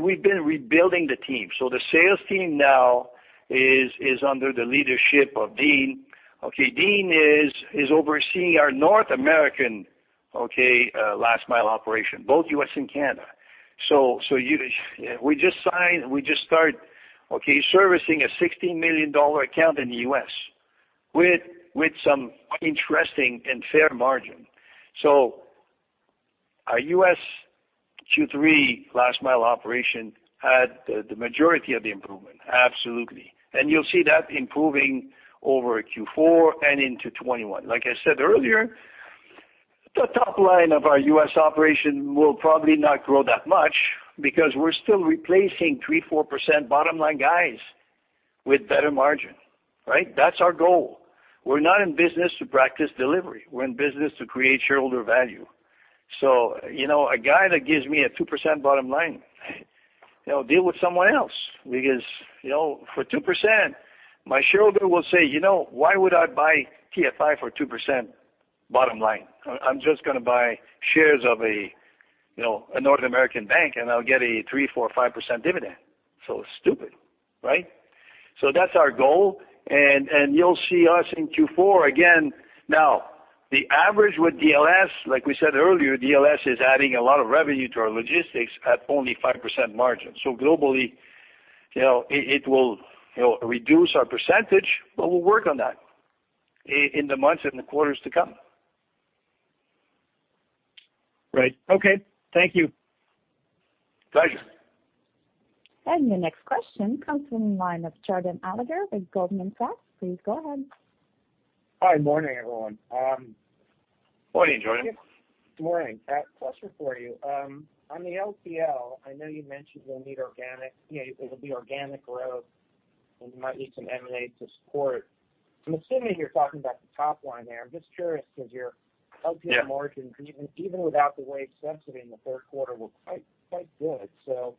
We've been rebuilding the team. The sales team now is under the leadership of Dean. Okay? Dean is overseeing our North American last mile operation, both U.S. and Canada. We just signed, we just start servicing a 16 million dollar account in the U.S. with some interesting and fair margin. Our U.S. Q3 last mile operation had the majority of the improvement. Absolutely. You'll see that improving over Q4 and into 2021. Like I said earlier, the top line of our U.S. operation will probably not grow that much because we're still replacing 3%, 4% bottom line guys with better margin. Right? That's our goal. We're not in business to practice delivery. We're in business to create shareholder value. A guy that gives me a 2% bottom line, deal with someone else because, for 2%, my shareholder will say, "Why would I buy TFI for 2% bottom line? I'm just going to buy shares of a North American bank and I'll get a 3%, 4%, 5% dividend." Stupid, right? That's our goal, and you'll see us in Q4 again. Now, the average with DLS, like we said earlier, DLS is adding a lot of revenue to our logistics at only 5% margin. Globally, it will reduce our percentage, but we'll work on that in the months and the quarters to come. Right. Okay. Thank you. Pleasure. Your next question comes from the line of Jordan Alliger with Goldman Sachs. Please go ahead. Hi. Morning, everyone. Morning, Jordan. Good morning. A question for you. On the LTL, I know you mentioned you'll need organic, it'll be organic growth, and you might need some M&A to support. I'm assuming you're talking about the top line there. I'm just curious because your LTL margins- Yeah ...even without the wage subsidy in the third quarter were quite good. So-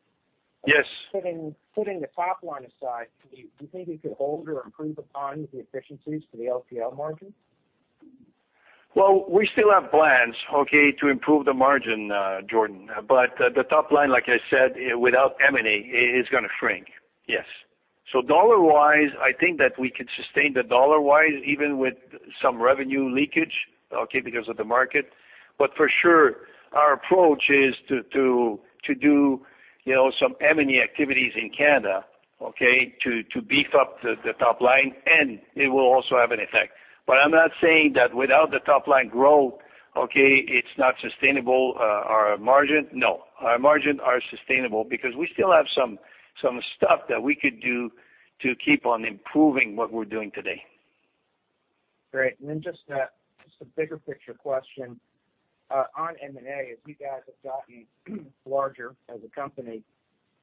Yes. ...putting the top line aside, do you think you could hold or improve upon the efficiencies for the LTL margin? Well, we still have plans to improve the margin, Jordan, but the top line, like I said, without M&A, is going to shrink. Yes. Dollar-wise, I think that we can sustain dollar-wise even with some revenue leakage, because of the market. For sure, our approach is to do some M&A activities in Canada, to beef up the top line, and it will also have an effect. I'm not saying that without the top-line growth, it's not sustainable, our margin. No. Our margin are sustainable because we still have some stuff that we could do to keep on improving what we're doing today. Great. just a bigger picture question. On M&A, as you guys have gotten larger as a company,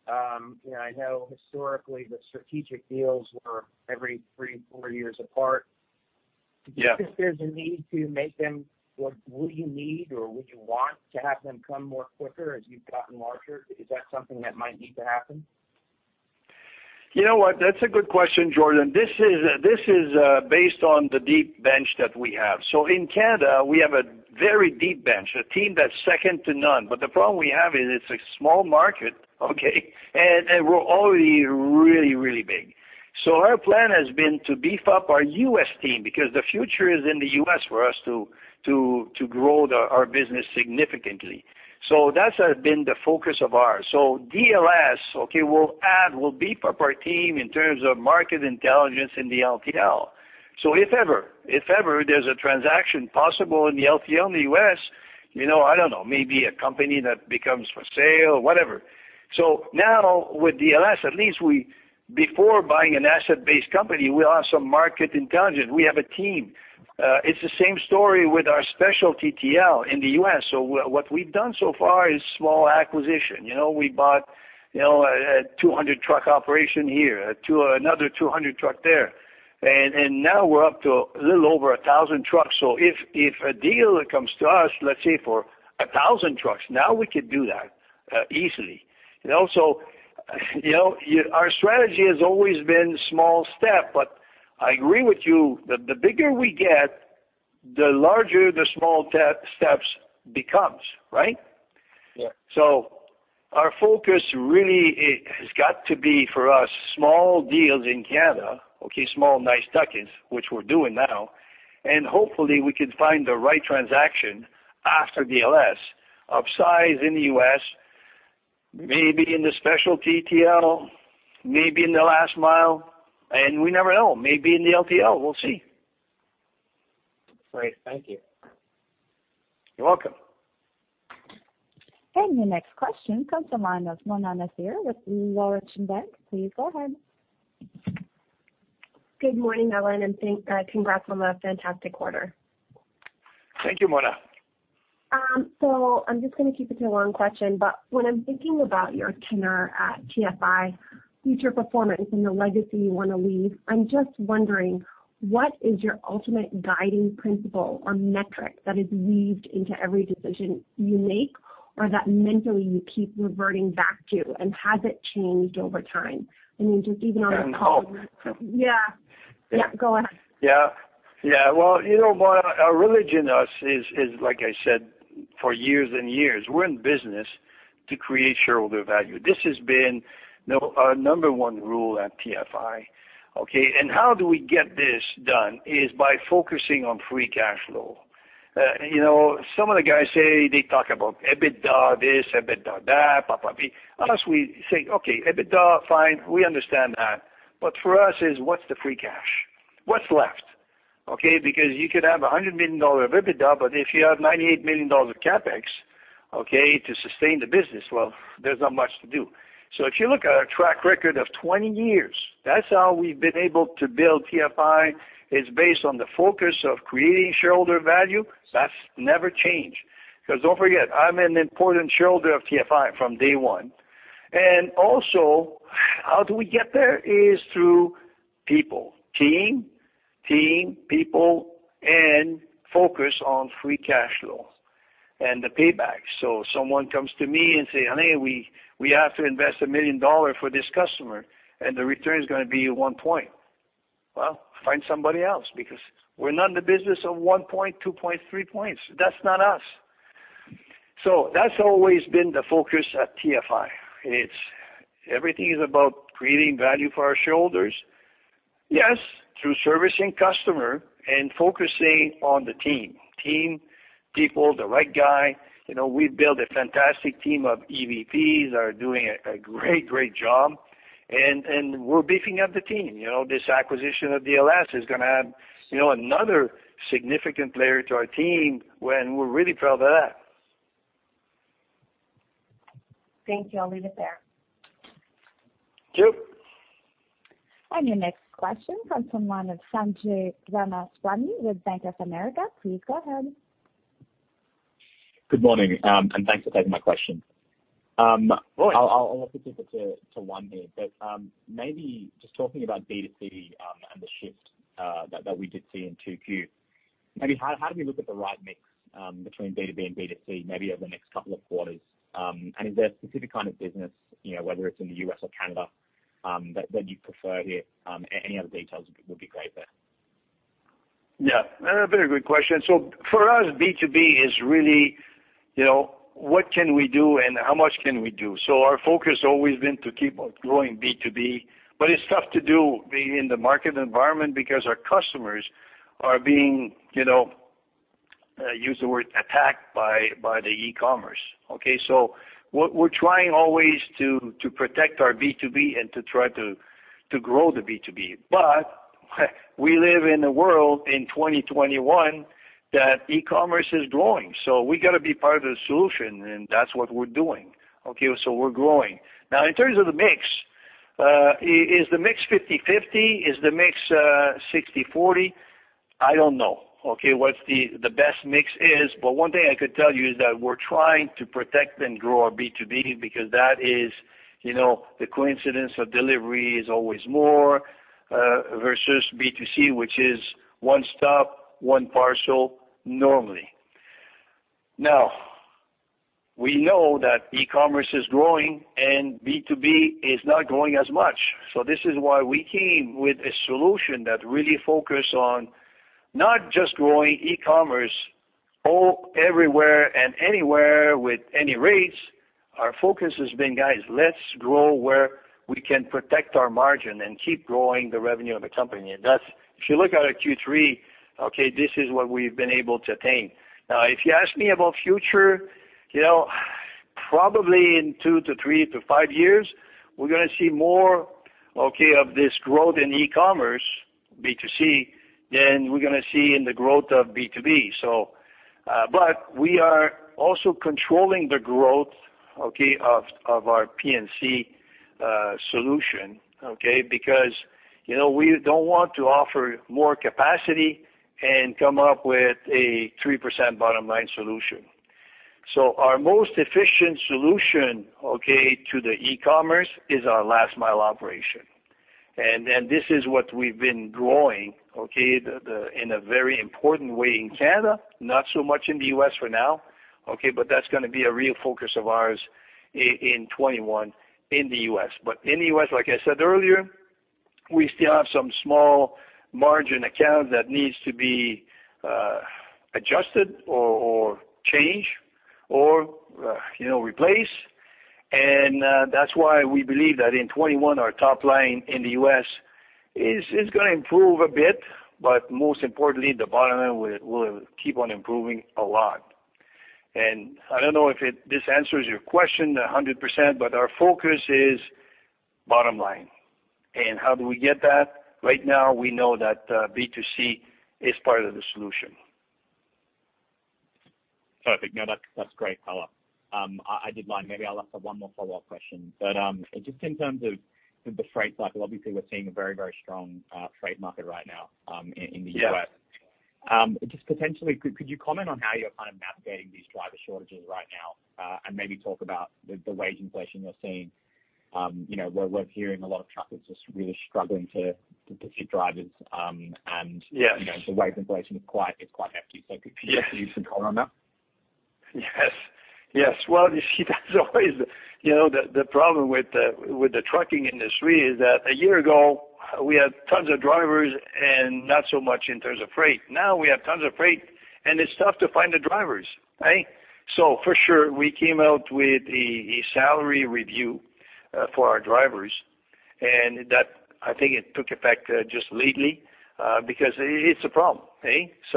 I know historically the strategic deals were every three, four years apart. Yeah. Do you think there's a need to make them, or will you need, or would you want to have them come more quicker as you've gotten larger? Is that something that might need to happen? You know what? That's a good question, Jordan. This is based on the deep bench that we have. In Canada, we have a very deep bench, a team that's second to none. The problem we have is it's a small market, okay? We're already really, really big. Our plan has been to beef up our U.S. team because the future is in the U.S. for us to grow our business significantly. That has been the focus of ours. DLS, okay, will add, will beef up our team in terms of market intelligence in the LTL. If ever there's a transaction possible in the LTL in the U.S., I don't know, maybe a company that becomes for sale, whatever. Now with DLS, at least before buying an asset-based company, we'll have some market intelligence. We have a team. It's the same story with our specialty TL in the U.S. what we've done so far is small acquisition. We bought a 200-truck operation here, another 200 truck there, and now we're up to a little over 1,000 trucks. if a deal comes to us, let's say for 1,000 trucks, now we could do that easily. also, our strategy has always been small step, but I agree with you, the bigger we get, the larger the small steps becomes, right? Yeah. So, our focus really has got to be for us small deals in Canada, okay, small nice tuck-ins, which we're doing now, and hopefully we can find the right transaction after DLS of size in the U.S., maybe in the specialty TL, maybe in the last mile, and we never know, maybe in the LTL. We'll see. Great. Thank you. You're welcome. your next question comes from line of Mona Nazir with Laurentian Bank. Please go ahead. Good morning, Alain, and congrats on a fantastic quarter. Thank you, Mona. I'm just going to keep it to one question, but when I'm thinking about your tenure at TFI, future performance and the legacy you want to leave, I'm just wondering, what is your ultimate guiding principle or metric that is weaved into every decision you make or that mentally you keep reverting back to, and has it changed over time? I mean, just even on- I don't know. Yeah. Yeah, go ahead. Yeah. Well, Mona, our religion to us is, like I said, for years and years, we're in business to create shareholder value. This has been our number one rule at TFI, okay? How do we get this done is by focusing on free cash flow. Some of the guys say they talk about EBITDA this, EBITDA that. Us, we say, okay, EBITDA, fine, we understand that. For us is what's the free cash? What's left, okay? Because you could have 100 million dollar of EBITDA, but if you have 98 million dollars of CapEx to sustain the business, well, there's not much to do. If you look at our track record of 20 years, that's how we've been able to build TFI. It's based on the focus of creating shareholder value. That's never changed. Because don't forget, I'm an important shareholder of TFI from day one. Also, how do we get there is through people. Team, people, and focus on free cash flow and the payback. Someone comes to me and say, "Alain, we have to invest 1 million dollars for this customer, and the return is going to be one point." Well, find somebody else because we're not in the business of one point, two point, three points. That's not us. That's always been the focus at TFI. Everything is about creating value for our shareholders. Yes, through servicing customer and focusing on the team. Team, people, the right guy. We built a fantastic team of EVPs are doing a great job. We're beefing up the team. This acquisition of DLS is going to add another significant player to our team and we're really proud of that. Thank you. I'll leave it there. Thank you. Your next question comes from line of Sanjay Ramaswamy with Bank of America. Please go ahead. Good morning, and thanks for taking my question. Alright. I'll also keep it to one here, but maybe just talking about B2C and the shift that we did see in 2Q. Maybe how do we look at the right mix between B2B and B2C, maybe over the next couple of quarters? Is there a specific kind of business, whether it's in the U.S. or Canada, that you prefer here? Any other details would be great there. Yeah. A very good question. For us, B2B is really what can we do and how much can we do? Our focus always been to keep on growing B2B, but it's tough to do being in the market environment because our customers are being, use the word attacked by the e-commerce. Okay. We're trying always to protect our B2B and to try to grow the B2B. We live in a world in 2021 that e-commerce is growing. We got to be part of the solution, and that's what we're doing. Okay. So, we're growing. Now, in terms of the mix, is the mix 50/50? Is the mix 60/40? I don't know, okay, what's the best mix is. One thing I could tell you is that we're trying to protect and grow our B2B because that is the coincidence of delivery is always more, versus B2C, which is one stop, one parcel, normally. We know that e-commerce is growing and B2B is not growing as much. This is why we came with a solution that really focus on not just growing e-commerce everywhere and anywhere with any rates. Our focus has been, "Guys, let's grow where we can protect our margin and keep growing the revenue of the company." If you look at our Q3, okay, this is what we've been able to attain. If you ask me about future, probably in two to three to five years, we're going to see more, okay, of this growth in e-commerce, B2C, than we're going to see in the growth of B2B. But we are also controlling the growth, okay, of our P&C solution, okay, because we don't want to offer more capacity and come up with a 3% bottom-line solution. our most efficient solution, okay, to the e-commerce is our last-mile operation. this is what we've been growing, okay, in a very important way in Canada, not so much in the U.S. for now, okay, but that's going to be a real focus of ours in 2021 in the U.S. But in the U.S., like I said earlier, we still have some small margin accounts that needs to be adjusted or changed or replaced. that's why we believe that in 2021, our top line in the U.S. is going to improve a bit. most importantly, the bottom line will keep on improving a lot. I don't know if this answers your question 100%, but our focus is bottom line. How do we get that? Right now, we know that B2C is part of the solution. Perfect. No, that's great color. Maybe I'll ask one more follow-up question. Just in terms of the freight cycle, obviously we're seeing a very strong freight market right now in the U.S. Yeah. Just potentially, could you comment on how you're kind of navigating these driver shortages right now? Maybe talk about the wage inflation you're seeing. We're hearing a lot of truckers just really struggling to get drivers- Yes ...the wage inflation is quite hefty. could you just give some color on that? Yes. Well, that's always the problem with the trucking industry is that a year ago we had tons of drivers and not so much in terms of freight. Now we have tons of freight and it's tough to find the drivers, right? For sure, we came out with a salary review for our drivers and that I think it took effect just lately because it's a problem. It's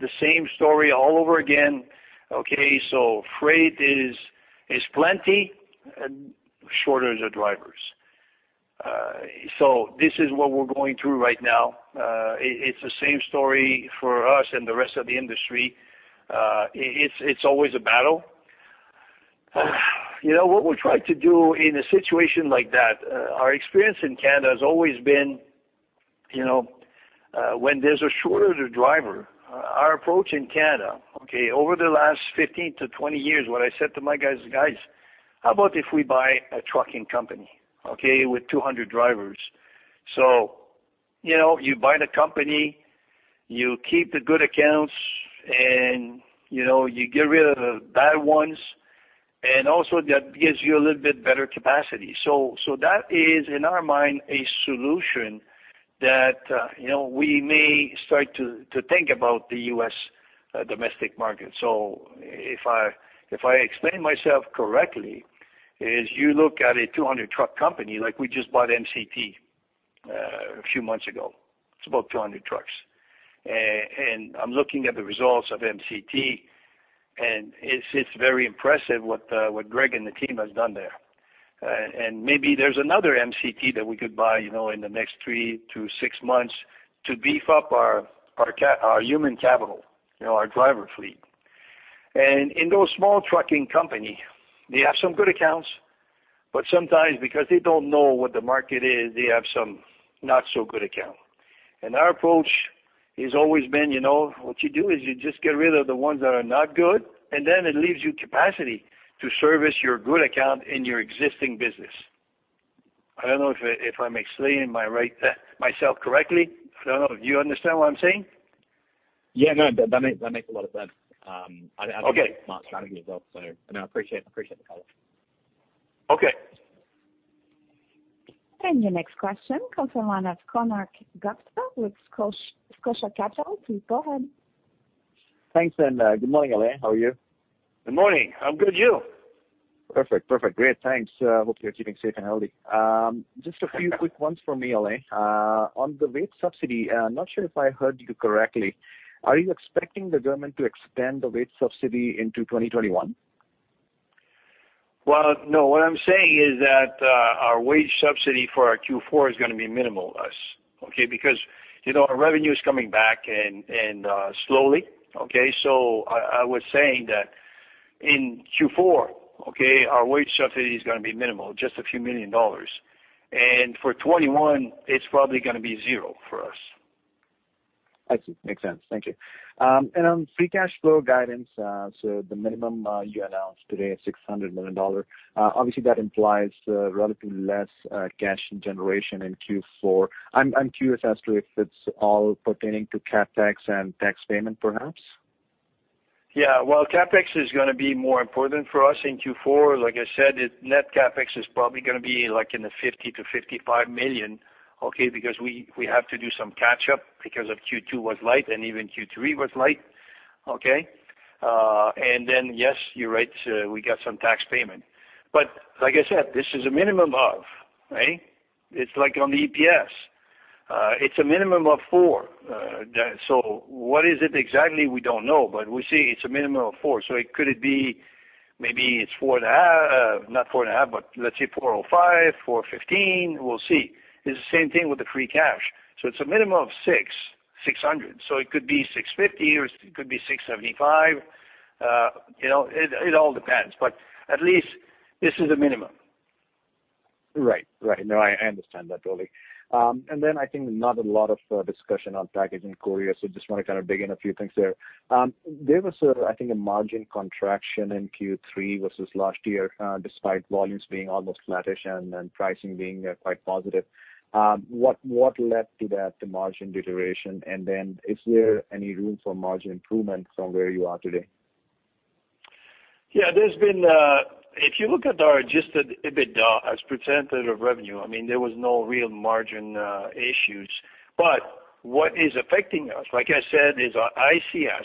the same story all over again. Okay. Freight is plenty and shortage of drivers. This is what we're going through right now. It's the same story for us and the rest of the industry. It's always a battle. What we try to do in a situation like that, our experience in Canada has always been when there's a shortage of driver, our approach in Canada, okay, over the last 15-20 years, what I said to my guys is, "Guys, how about if we buy a trucking company, okay, with 200 drivers?" you buy the company, you keep the good accounts and you get rid of the bad ones, and also that gives you a little bit better capacity. that is, in our mind, a solution that we may start to think about the U.S. domestic market. if I explain myself correctly, is you look at a 200-truck company like we just bought MCT a few months ago. It's about 200 trucks. I'm looking at the results of MCT, and it's very impressive what Greg and the team has done there. Maybe there's another MCT that we could buy in the next three to six months to beef up our human capital, our driver fleet. In those small trucking company, they have some good accounts, but sometimes because they don't know what the market is, they have some not-so-good account. Our approach has always been, what you do is you just get rid of the ones that are not good, and then it leaves you capacity to service your good account in your existing business. I don't know if I'm explaining myself correctly. I don't know. Do you understand what I'm saying? Yeah, no, that makes a lot of sense. Okay. I've looked at your strategy as well, so I appreciate the color. Okay. Your next question comes from line of Konark Gupta with Scotia Capital. Please go ahead. Thanks, and good morning, Alain. How are you? Good morning. I'm good. You? Perfect. Great, thanks. Hope you're keeping safe and healthy. Just a few quick ones from me, Alain. On the wage subsidy, not sure if I heard you correctly. Are you expecting the government to extend the wage subsidy into 2021? Well, no. What I'm saying is that our wage subsidy for our Q4 is going to be minimal for us, okay? Because our revenue is coming back and slowly. I was saying that in Q4, our wage subsidy is going to be minimal, just a few million dollars. For 2021, it's probably going to be zero for us. I see. Makes sense. Thank you. on free cash flow guidance, so the minimum you announced today is 600 million dollar. Obviously, that implies relatively less cash generation in Q4. I'm curious as to if it's all pertaining to CapEx and tax payment, perhaps. Yeah. Well, CapEx is going to be more important for us in Q4. Like I said, net CapEx is probably going to be like in the 50 million-55 million, because we have to do some catch-up because of Q2 was light, and even Q3 was light. yes, you're right, we got some tax payment. like I said, this is a minimum of. It's like on the EPS. It's a minimum of 4.00. What is it exactly? We don't know. But we say it's a minimum of 4.00. could it be maybe it's 4.50. Not 4.50, but let's say 4.05, 4.15. We'll see. It's the same thing with the free cash. it's a minimum of 6, 600 million. it could be 650 million or it could be 675 million. It all depends, but at least this is a minimum. Right. No, I understand that, totally. I think not a lot of discussion on Package and Courier, so just want to kind of dig in a few things there. There was, I think, a margin contraction in Q3 versus last year, despite volumes being almost flattish and pricing being quite positive. What led to that margin deterioration? Is there any room for margin improvement from where you are today? Yeah. If you look at our adjusted EBITDA as percentage of revenue, there was no real margin issues. What is affecting us, like I said, is our ICS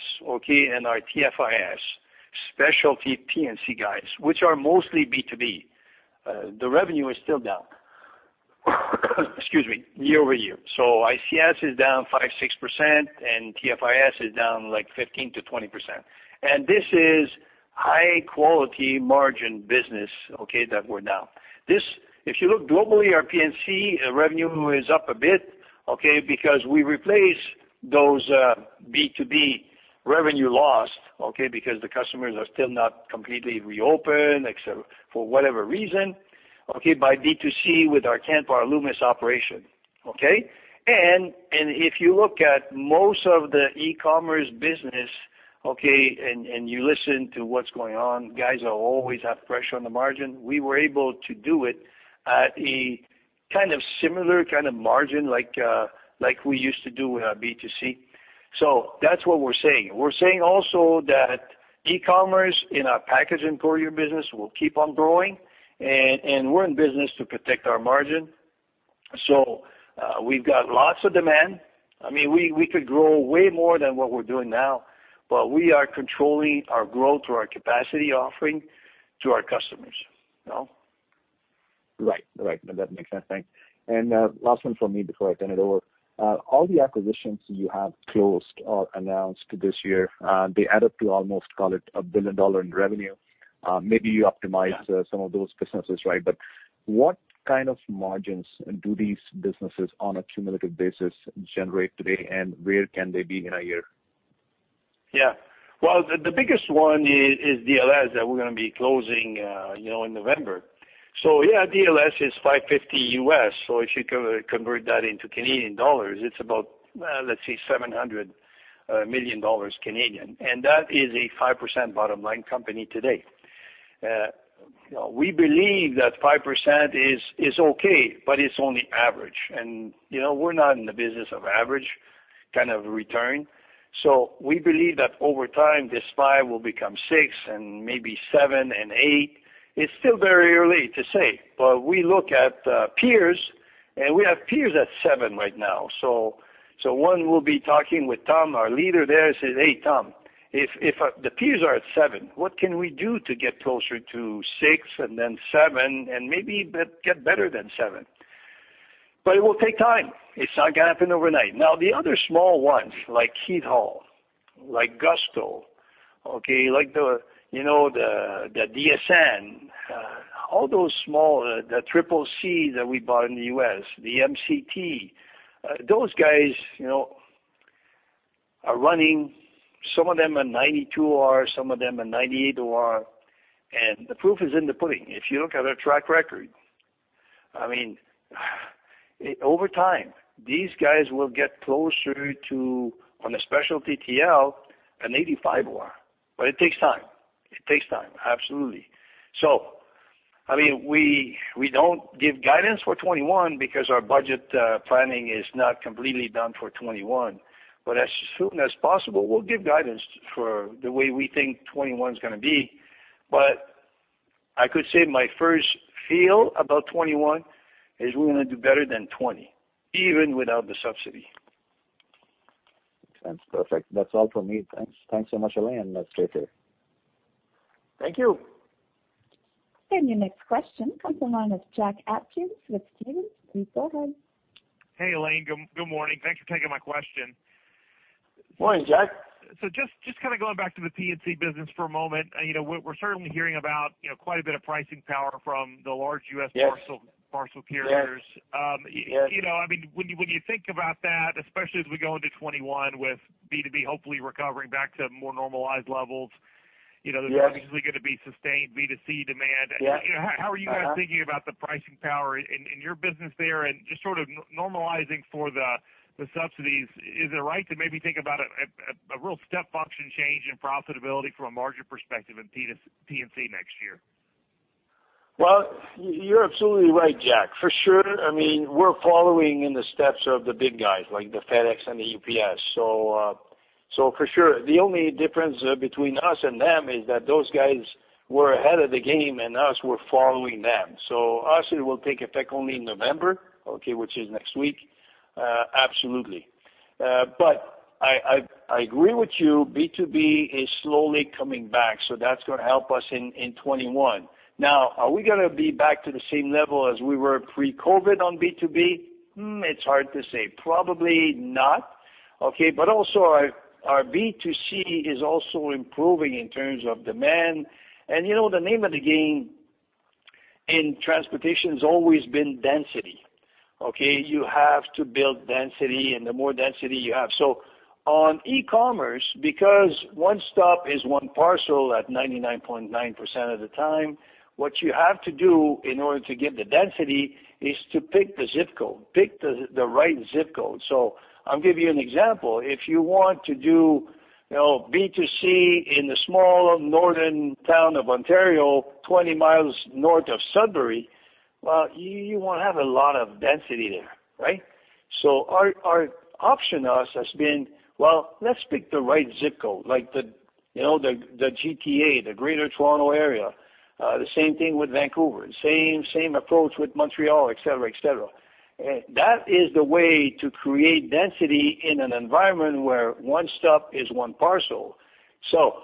and our TFIS specialty P&C guys, which are mostly B2B. The revenue is still down, excuse me, year-over-year. ICS is down 5%, 6% and TFIS is down like 15%-20%. This is high-quality margin business that we're now. If you look globally, our P&C revenue is up a bit, because we replace those B2B revenue loss, because the customers are still not completely reopened, etc, for whatever reason, by B2C with our Canpar, Loomis operation. If you look at most of the e-commerce business and you listen to what's going on, guys will always have pressure on the margin. We were able to do it at a kind of similar kind of margin like we used to do with our B2C. That's what we're saying. We're saying also that e-commerce in our Package and Courier business will keep on growing, and we're in business to protect our margin. We've got lots of demand. We could grow way more than what we're doing now, but we are controlling our growth through our capacity offering to our customers. Right. No, that makes sense. Thanks. Last one from me before I turn it over. All the acquisitions you have closed or announced this year, they add up to almost call it a billion dollar in revenue. Maybe you optimize some of those businesses, right? What kind of margins do these businesses on a cumulative basis generate today, and where can they be in a year? Yeah. Well, the biggest one is DLS that we're going to be closing in November. Yeah, DLS is $550 million, so if you convert that into Canadian dollars, it's about, let's say, 700 million Canadian dollars. That is a 5% bottom-line company today. We believe that 5% is okay, but it's only average. We're not in the business of average kind of return. We believe that over time, this 5% will become 6% and maybe 7% and 8%. It's still very early to say. We look at peers, and we have peers at 7% right now. One, we'll be talking with Tom, our leader there, say, "Hey, Tom, if the peers are at 7%, what can we do to get closer to 6% and then 7% and maybe get better than 7%?" It will take time. It's not going to happen overnight. Now, the other small ones like Keith Hall, like Gusgo, like the DSN, all those small, the CCC that we bought in the U.S., the MCT, those guys are running some of them at 92% OR, some of them at 98% OR. The proof is in the pudding. If you look at our track record, I mean. Over time, these guys will get closer to, on a specialty TL, an 85% OR. It takes time. It takes time, absolutely. We don't give guidance for 2021 because our budget planning is not completely done for 2021. As soon as possible, we'll give guidance for the way we think 2021 is going to be. I could say my first feel about 2021 is we're going to do better than 2020, even without the subsidy. That's perfect. That's all from me. Thanks so much, Alain, and let's stay safe. Thank you. Your next question comes from the line of Jack Atkins with Stephens. Please go ahead. Hey, Alain. Good morning. Thanks for taking my question. Morning, Jack. just going back to the P&C business for a moment. We're certainly hearing about quite a bit of pricing power from the large U.S. parcel- Yes ...parcel carriers. Yes. When you think about that, especially as we go into 2021 with B2B hopefully recovering back to more normalized levels. Yes. There's obviously going to be sustained B2C demand. Yes. How are you guys thinking about the pricing power in your business there and just normalizing for the subsidies, is it right to maybe think about a real step function change in profitability from a margin perspective in P&C next year? Well, you're absolutely right, Jack. For sure, we're following in the steps of the big guys like the FedEx and the UPS. For sure. The only difference between us and them is that those guys were ahead of the game and us, we're following them. Us, it will take effect only in November, okay? Which is next week. Absolutely. I agree with you, B2B is slowly coming back, so that's going to help us in 2021. Now, are we going to be back to the same level as we were pre-COVID on B2B? Hmm. It's hard to say. Probably not. Okay. Also our B2C is also improving in terms of demand. The name of the game in transportation's always been density, okay? You have to build density and the more density you have. On e-commerce, because one stop is one parcel at 99.9% of the time, what you have to do in order to get the density is to pick the ZIP code. Pick the right ZIP code. I'll give you an example. If you want to do B2C in the small northern town of Ontario, 20 mi north of Sudbury, well, you won't have a lot of density there, right? Our option to us has been, well, let's pick the right ZIP code, like the GTA, the Greater Toronto Area. The same thing with Vancouver. Same approach with Montreal, et cetera, et cetera. That is the way to create density in an environment where one stop is one parcel.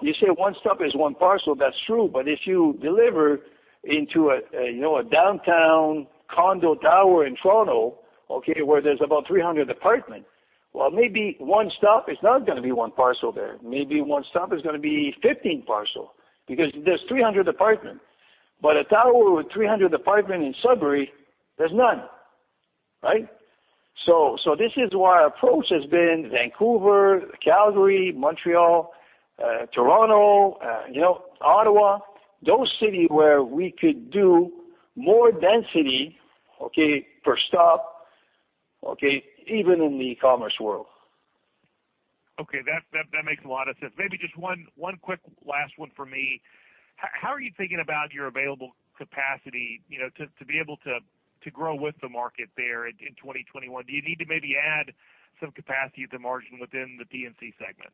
You say one stop is one parcel, that's true, but if you deliver into a downtown condo tower in Toronto, okay? Where there's about 300 apartment, well, maybe one stop is not going to be one parcel there. Maybe one stop is going to be 15 parcel because there's 300 apartment. A tower with 300 apartment in Sudbury, there's none, right? This is why our approach has been Vancouver, Calgary, Montreal, Toronto, Ottawa. Those city where we could do more density, okay, per stop, okay? Even in the e-commerce world. Okay. That makes a lot of sense. Maybe just one quick last one from me. How are you thinking about your available capacity to be able to grow with the market there in 2021? Do you need to maybe add some capacity at the margin within the P&C segment?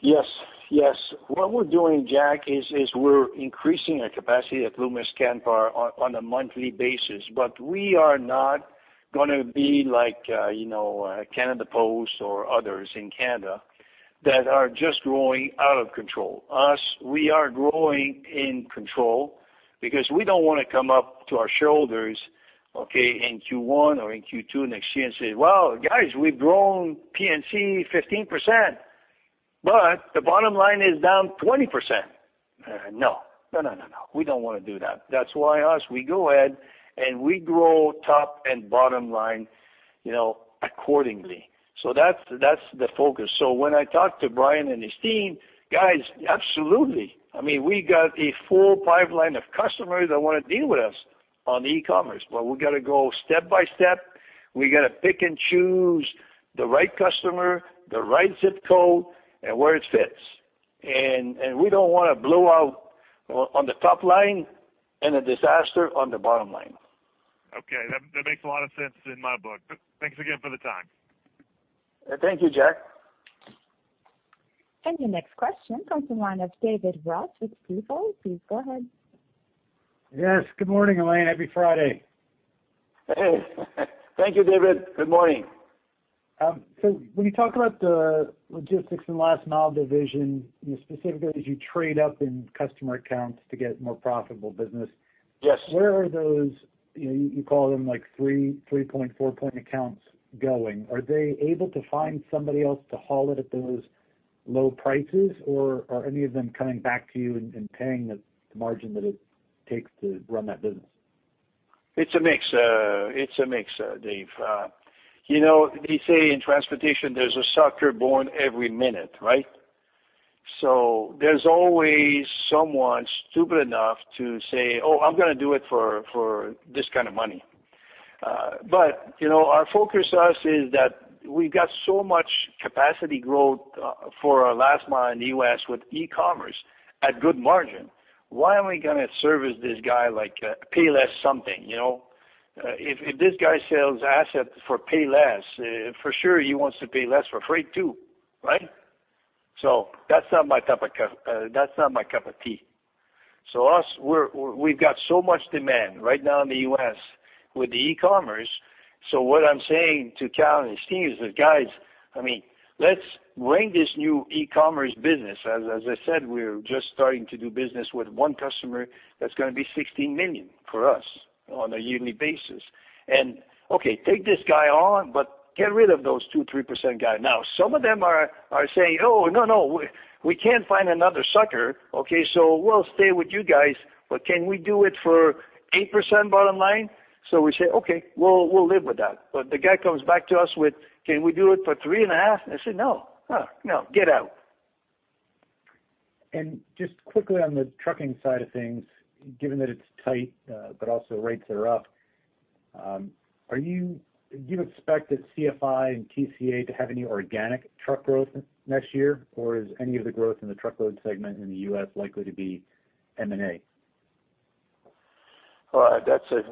Yes. What we're doing, Jack, is we're increasing our capacity at Loomis/ Canpar on a monthly basis. We are not going to be like Canada Post or others in Canada that are just growing out of control. Us, we are growing in control because we don't want to come up to our shoulders, okay? In Q1 or in Q2 next year and say, "Well, guys, we've grown P&C 15%, but the bottom line is down 20%." No. We don't want to do that. That's why us, we go ahead and we grow top and bottom line accordingly. That's the focus. So, When I talk to Brian and his team, guys, absolutely. We got a full pipeline of customers that want to deal with us on e-commerce, but we got to go step-by-step. We got to pick and choose the right customer, the right ZIP code, and where it fits. We don't want to blow out on the top line and a disaster on the bottom line. Okay. That makes a lot of sense in my book. Thanks again for the time. Thank you, Jack. Your next question comes from the line of David Ross with Stifel. Please go ahead. Yes. Good morning, Alain. Happy Friday. Thank you, David. Good morning. When you talk about the logistics and last-mile division, specifically as you trade up in customer accounts to get more profitable business- Yes ...where are those, you call them three point, four-point accounts, going? Are they able to find somebody else to haul it at those low prices, or are any of them coming back to you and paying the margin that it takes to run that business? It's a mix, Dave. They say in transportation, there's a sucker born every minute, right? There's always someone stupid enough to say, "Oh, I'm going to do it for this kind of money." Our focus is that we've got so much capacity growth for our last mile in the U.S. with e-commerce at good margin. Why are we going to service this guy like pay less something? If this guy sells asset for pay less, for sure he wants to pay less for freight too, right? That's not my cup of tea. Us, we've got so much demand right now in the U.S. with the e-commerce. What I'm saying to Kal and his team is that, "Guys, let's bring this new e-commerce business." As I said, we're just starting to do business with one customer that's going to be 16 million for us on a yearly basis. Okay, take this guy on, but get rid of those 2%, 3% guys. Now, some of them are saying, "Oh, no, we can't find another sucker, okay, so we'll stay with you guys, but can we do it for 8% bottom line?" We say, "Okay, we'll live with that." The guy comes back to us with, "Can we do it for 3.5%?" I say, "No. No. Get out. Just quickly on the trucking side of things, given that it's tight, but also rates are up, do you expect that CFI and TCA to have any organic truck growth next year? is any of the growth in the Truckload segment in the U.S. likely to be M&A?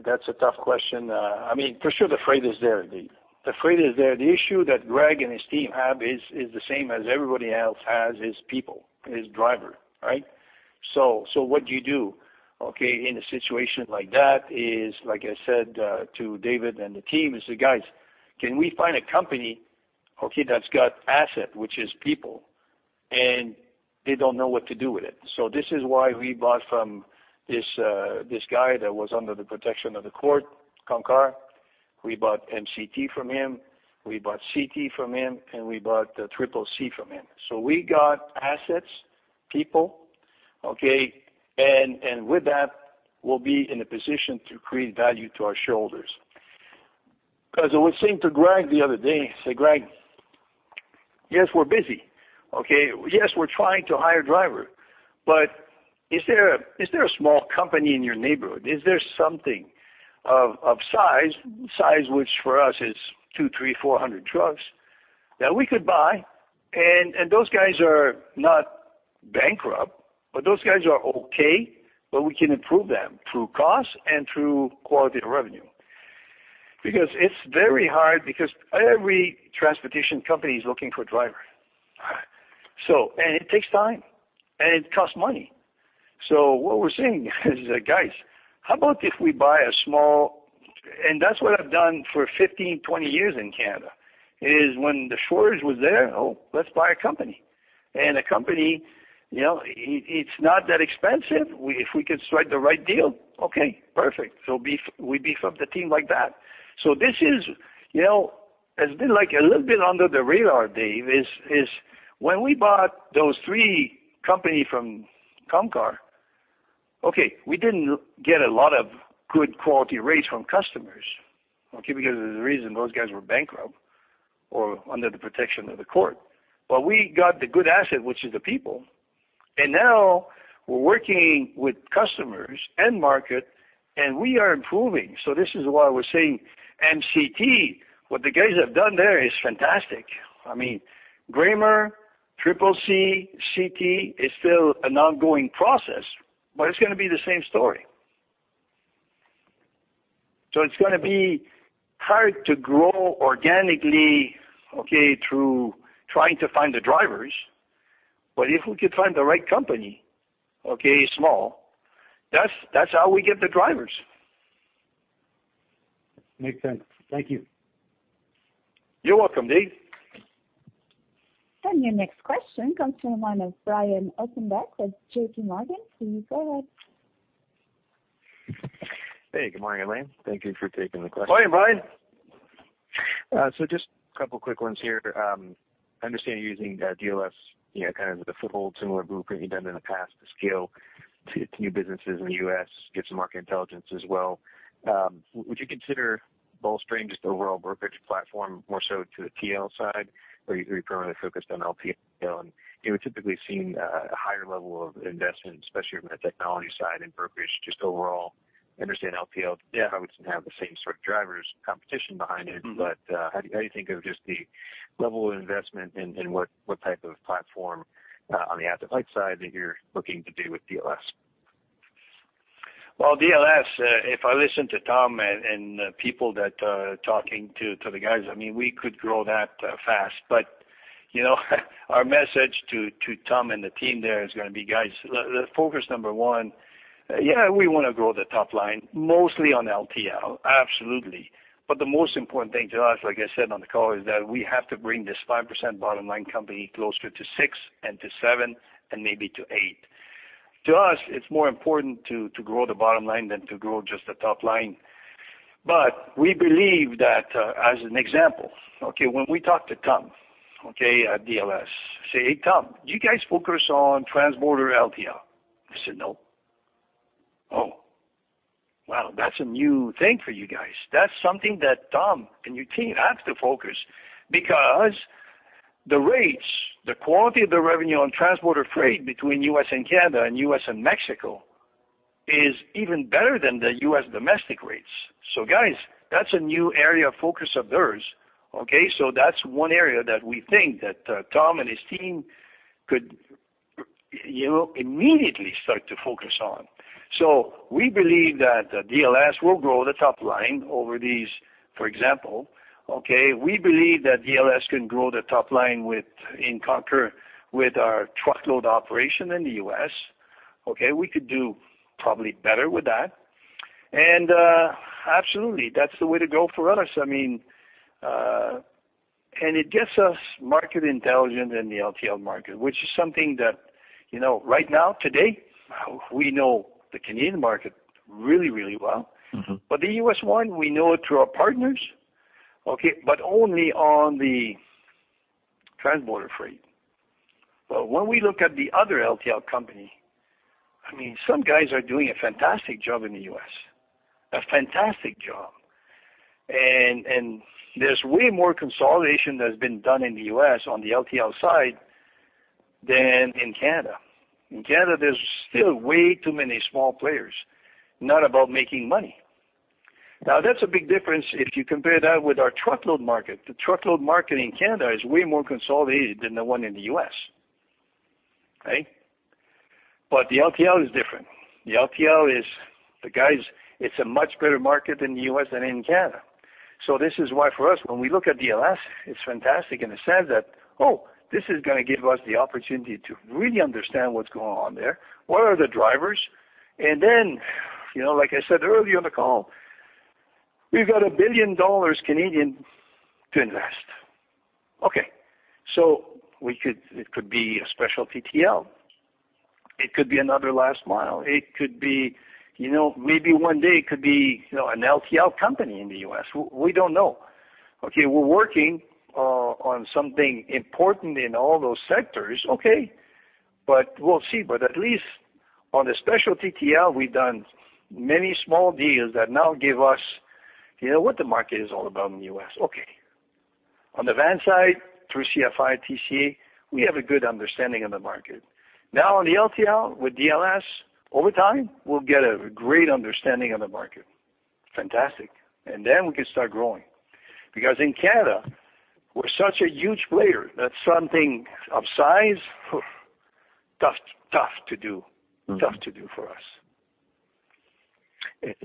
That's a tough question. For sure the freight is there, Dave. The freight is there. The issue that Greg and his team have is the same as everybody else has, is people, is driver, right? what do you do, okay, in a situation like that is, like I said to David and the team is, "Guys, can we find a company, okay, that's got asset, which is people, and they don't know what to do with it?" this is why we bought from this guy that was under the protection of the court, Comcar. We bought MCT from him. We bought CT from him, and we bought CCC Transportation from him. we got assets, people, okay? with that, we'll be in a position to create value to our shareholders. As I was saying to Greg the other day, I say, "Greg, yes, we're busy. Okay. Yes, we're trying to hire driver, but is there a small company in your neighborhood? Is there something of size which for us is 200, 300, 400 trucks, that we could buy? Those guys are not bankrupt, but those guys are okay, but we can improve them through cost and through quality of revenue. Because it's very hard, because every transportation company is looking for driver. It takes time, and it costs money. What we're saying is, "Guys, how about if we buy a small" That's what I've done for 15, 20 years in Canada, is when the shortage was there, "Oh, let's buy a company." A company, it's not that expensive. If we could strike the right deal, okay, perfect. We beef up the team like that. This has been like a little bit under the radar, Dave, is when we bought those three company from Comcar, okay, we didn't get a lot of good quality rates from customers, okay, because there's a reason those guys were bankrupt or under the protection of the court. We got the good asset, which is the people. Now we're working with customers and market, and we are improving. This is why we're saying MCT, what the guys have done there is fantastic. Grammer, CCC Transportation, CT is still an ongoing process, but it's going to be the same story. It's going to be hard to grow organically, okay, through trying to find the drivers. If we could find the right company, okay, small, that's how we get the drivers. Makes sense. Thank you. You're welcome, Dave. Your next question comes from the line of Brian Ossenbeck with JPMorgan. Please go ahead. Hey, good morning, Alain. Thank you for taking the question. Morning, Brian. Just a couple quick ones here. I understand you're using DLS, kind of as a foothold, similar blueprint you've done in the past to scale to new businesses in the U.S., get some market intelligence as well. Would you consider bolstering just the overall brokerage platform more so to the TL side, or are you primarily focused on LTL? We've typically seen a higher level of investment, especially from the technology side in brokerage just overall. Understand LTL probably doesn't have the same sort of drivers, competition behind it. How do you think of just the level of investment and what type of platform on the asset-light side that you're looking to do with DLS? Well, DLS, if I listen to Tom and people that are talking to the guys, we could grow that fast. Our message to Tom and the team there is going to be, "Guys, focus number one, yeah, we want to grow the top line mostly on LTL, absolutely, but the most important thing to us, like I said on the call, is that we have to bring this 5% bottom line company closer to 6% and to 7% and maybe to 8%. To us, it's more important to grow the bottom line than to grow just the top line." We believe that, as an example, okay, when we talk to Tom, okay, at DLS, say, "Hey, Tom, do you guys focus on transborder LTL?" He said, "No." Oh, wow. That's a new thing for you guys. That's something that Tom and your team have to focus, because the rates, the quality of the revenue on transborder freight between U.S. and Canada and U.S. and Mexico is even better than the U.S. domestic rates. Guys, that's a new area of focus of theirs, okay? That's one area that we think that Tom and his team could immediately start to focus on. We believe that DLS will grow the top line overseas, for example. We believe that DLS can grow the top line in concur with our truckload operation in the U.S. We could do probably better with that. Absolutely, that's the way to go for us. It gets us market intelligence in the LTL market, which is something that, right now, today, we know the Canadian market really, really well. The U.S. one, we know it through our partners, but only on the transborder freight. When we look at the other LTL company, some guys are doing a fantastic job in the U.S., a fantastic job. There's way more consolidation that's been done in the U.S. on the LTL side than in Canada. In Canada, there's still way too many small players, not about making money. Now, that's a big difference if you compare that with our truckload market. The truckload market in Canada is way more consolidated than the one in the U.S. The LTL is different. The LTL is a much better market in the U.S. than in Canada. This is why for us, when we look at DLS, it's fantastic in a sense that this is going to give us the opportunity to really understand what's going on there. What are the drivers? like I said earlier on the call, we've got 1 billion dollars to invest. Okay. It could be a specialty TL. It could be another last mile. Maybe one day it could be an LTL company in the U.S. We don't know. We're working on something important in all those sectors, okay, but we'll see. At least on the specialty TL, we've done many small deals that now give us what the market is all about in the U.S. Okay. On the van side, through CFI, TCA, we have a good understanding of the market. Now on the LTL with DLS, over time, we'll get a great understanding of the market. Fantastic. We can start growing. Because in Canada, we're such a huge player that something of size, tough to do for us.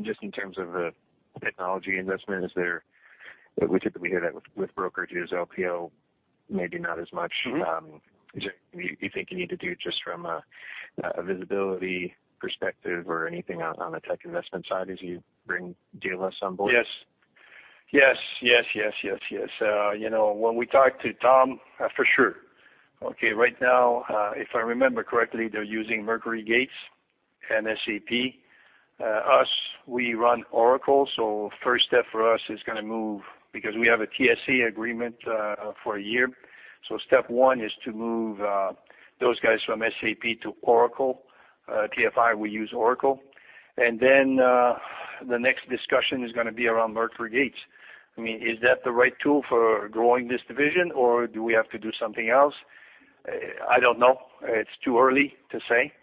Just in terms of technology investment, we typically hear that with brokerages, LPO, maybe not as much. Is there anything you think you need to do just from a visibility perspective or anything on a tech investment side as you bring DLS on board? Yes. When we talk to Tom, for sure. Right now, if I remember correctly, they're using MercuryGate and SAP. Us, we run Oracle, so first step for us is going to move, because we have a TSA agreement for a year. Step one is to move those guys from SAP to Oracle. TFI, we use Oracle. Then the next discussion is going to be around MercuryGate. Is that the right tool for growing this division, or do we have to do something else? I don't know. It's too early to say,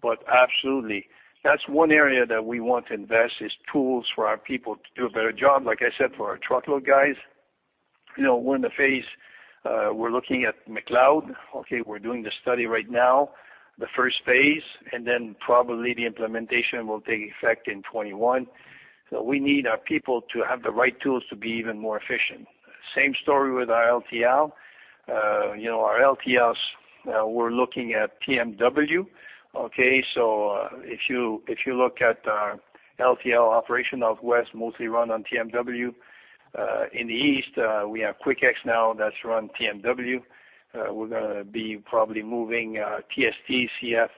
but absolutely. That's one area that we want to invest, is tools for our people to do a better job. Like I said, for our truckload guys, we're in the phase, we're looking at McLeod. We're doing the study right now, the first phase, and then probably the implementation will take effect in 2021. We need our people to have the right tools to be even more efficient. Same story with our LTL. Our LTLs, we're looking at TMW. If you look at our LTL operation of West, mostly run on TMW. In the East, we have Quik X now that's run TMW. We're going to be probably moving TST, CF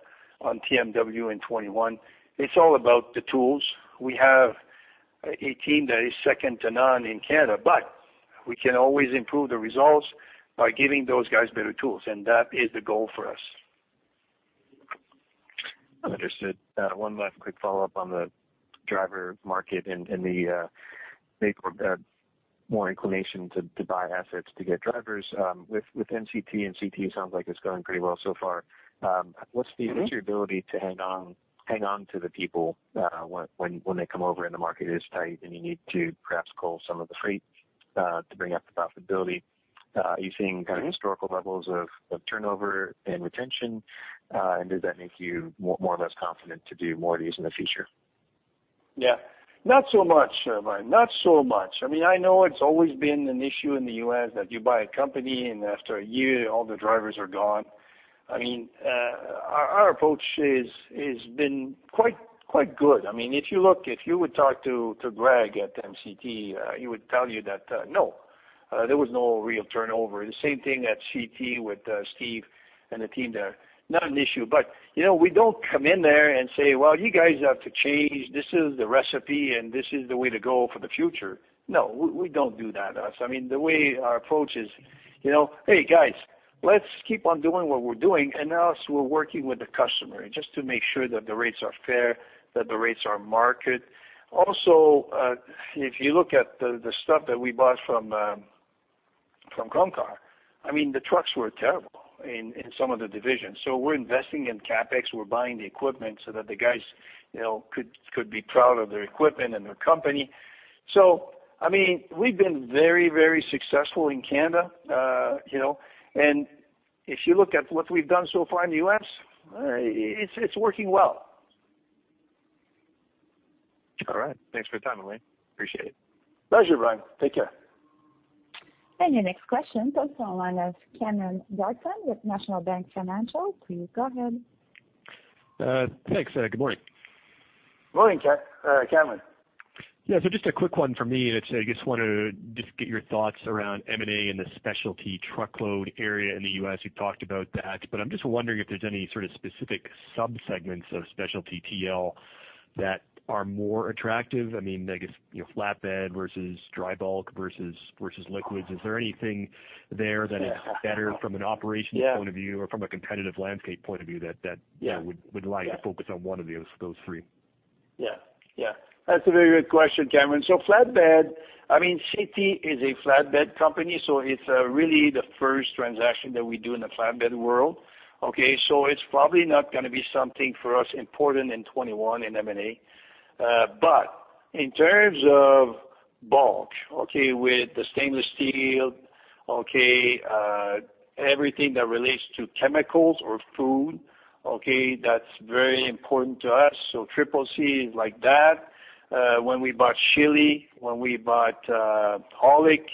on TMW in 2021. It's all about the tools. We have a team that is second to none in Canada, but we can always improve the results by giving those guys better tools, and that is the goal for us. Understood. One last quick follow-up on the driver market and the more inclination to buy assets to get drivers. With MCT and CT, sounds like it's going pretty well so far. What's your ability to hang on to the people when they come over and the market is tight, and you need to perhaps cull some of the freight to bring up the profitability? Are you seeing historical levels of turnover and retention? Does that make you more or less confident to do more of these in the future? Yeah. Not so much, Brian. I know it's always been an issue in the U.S. that you buy a company, and after a year, all the drivers are gone. Our approach has been quite good. If you would talk to Greg at MCT, he would tell you that, no, there was no real turnover. The same thing at CT with Steve and the team there. Not an issue. we don't come in there and say, "Well, you guys have to change. This is the recipe, and this is the way to go for the future." No, we don't do that. The way our approach is, "Hey, guys. Let's keep on doing what we're doing, and also we're working with the customer just to make sure that the rates are fair, that the rates are market. If you look at the stuff that we bought from Comcar, I mean, the trucks were terrible in some of the divisions. We're investing in CapEx, we're buying the equipment so that the guys could be proud of their equipment and their company. We've been very successful in Canada. If you look at what we've done so far in the U.S., it's working well. All right. Thanks for your time, Alain. Appreciate it. Pleasure, Brian. Take care. Your next question comes from the line of Cameron Doerksen with National Bank Financial. Please go ahead. Thanks. Good morning. Morning, Cameron. Yeah. just a quick one for me, and I just want to just get your thoughts around M&A and the specialty truckload area in the U.S. You talked about that, but I'm just wondering if there's any sort of specific sub-segments of specialty TL that are more attractive. I guess, flatbed versus dry bulk versus liquids. Is there anything there that is better from an operational point of view or from a competitive landscape point of view that you would like to focus on one of those three? Yeah. That's a very good question, Cameron. Flatbed, CT is a flatbed company, so it's really the first transaction that we do in the flatbed world. Okay, it's probably not going to be something for us important in 2021 in M&A. In terms of bulk, okay, with the stainless steel, everything that relates to chemicals or food. That's very important to us, so CCC is like that. When we bought Schilli, when we bought Aulick,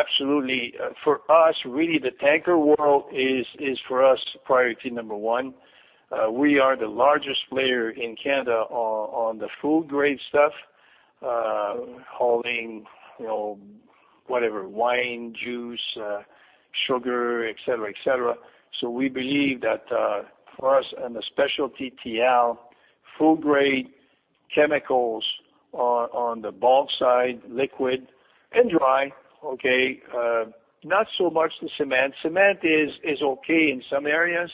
absolutely, for us, really the tanker world is for us priority number one. We are the largest player in Canada on the food-grade stuff, hauling whatever, wine, juice, sugar, etc. We believe that for us in the specialty TL, food-grade chemicals are on the bulk side, liquid and dry, okay? Not so much the cement. Cement is okay in some areas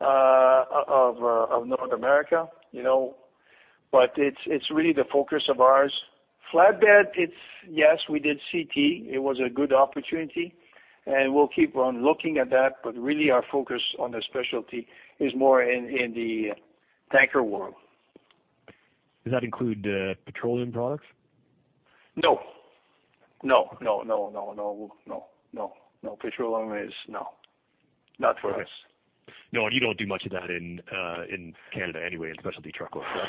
of North America. It's really the focus of ours. Flatbed, yes, we did CT, it was a good opportunity, and we'll keep on looking at that, but really our focus on the specialty is more in the tanker world. Does that include petroleum products? No. Petroleum is no, not for us. Okay. No, you don't do much of that in Canada anyway, in specialty truckload, correct?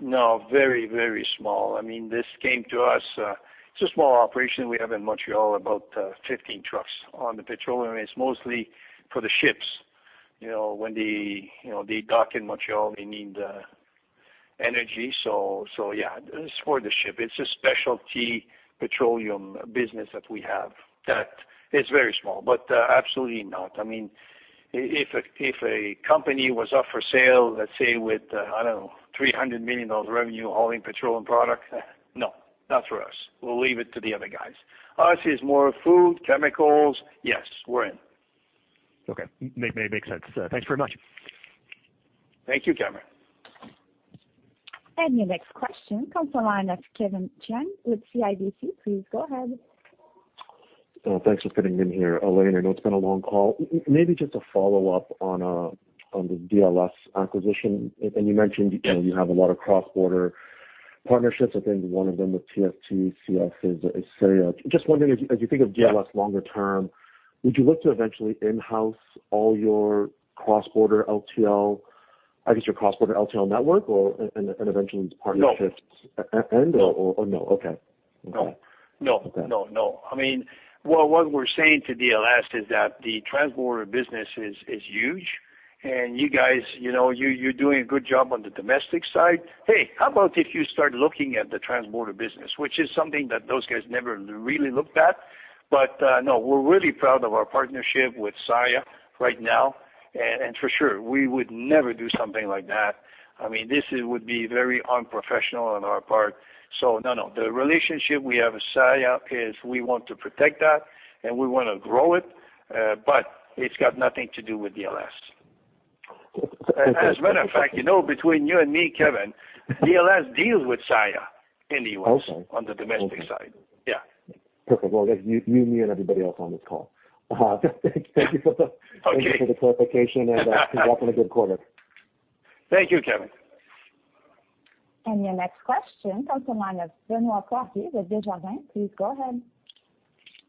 No. Very small. This came to us, it's a small operation we have in Montreal, about 15 trucks on the petroleum, and it's mostly for the ships. When they dock in Montreal, they need energy. Yeah, it's for the ship. It's a specialty petroleum business that we have that is very small, but absolutely not. If a company was up for sale, let's say with, I don't know, 300 million dollars revenue hauling petroleum products, no, not for us. We'll leave it to the other guys. Ours is more food, chemicals. Yes, we're in. Okay. Makes sense. Thanks very much. Thank you, Cameron. Your next question comes from the line of Kevin Chiang with CIBC. Please go ahead. Thanks for fitting me in here, Alain. I know it's been a long call. Maybe just a follow-up on the DLS acquisition. you mentioned you have a lot of cross-border partnerships, I think one of them with TST-CF is Saia. Just wondering if, as you think of DLS longer term, would you look to eventually in-house all your cross-border LTL, I guess your cross-border LTL network or eventually the partnership end or no? Okay. No. Well, what we're saying to DLS is that the transborder business is huge, and you guys, you're doing a good job on the domestic side. Hey, how about if you start looking at the transborder business, which is something that those guys never really looked at. no, we're really proud of our partnership with Saia right now, and for sure, we would never do something like that. This would be very unprofessional on our part. no. The relationship we have with Saia is we want to protect that, and we want to grow it. it's got nothing to do with DLS. As a matter of fact, between you and me, Kevin, DLS deals with Saia anyway- Okay ...on the domestic side. Yeah. Perfect. Well, you, me, and everybody else on this call. Thank you for the clarification and congrats on a good quarter. Thank you, Kevin. Your next question comes from the line of Benoit Poirier with Desjardins. Please go ahead.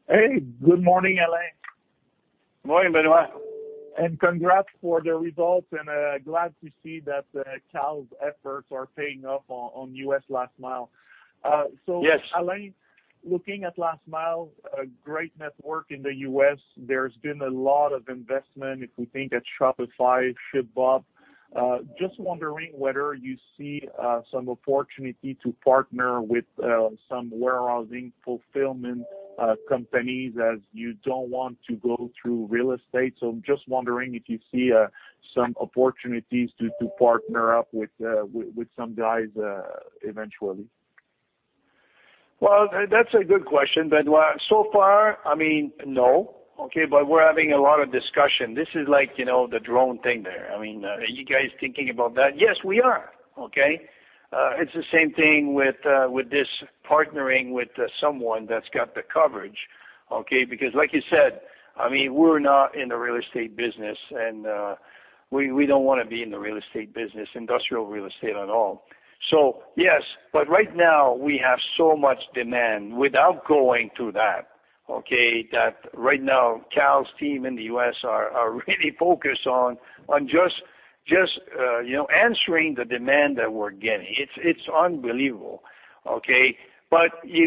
Hey, good morning, Alain. Morning, Benoit. congrats for the results and glad to see that Kal's efforts are paying off on U.S. last mile. Yes. Alain, looking at last mile, a great network in the U.S., there's been a lot of investment if we think that Shopify, ShipBob. Just wondering whether you see some opportunity to partner with some warehousing fulfillment companies as you don't want to go through real estate. I'm just wondering if you see some opportunities to partner up with some guys eventually. Well, that's a good question, Benoit. So far, no, okay? We're having a lot of discussion. This is like the drone thing there. Are you guys thinking about that? Yes, we are. Okay? It's the same thing with this partnering with someone that's got the coverage, okay? Because like you said, we're not in the real estate business and we don't want to be in the real estate business, industrial real estate at all. Yes, but right now we have so much demand without going to that, okay, that right now Kal's team in the U.S. are really focused on just answering the demand that we're getting. It's unbelievable. Okay?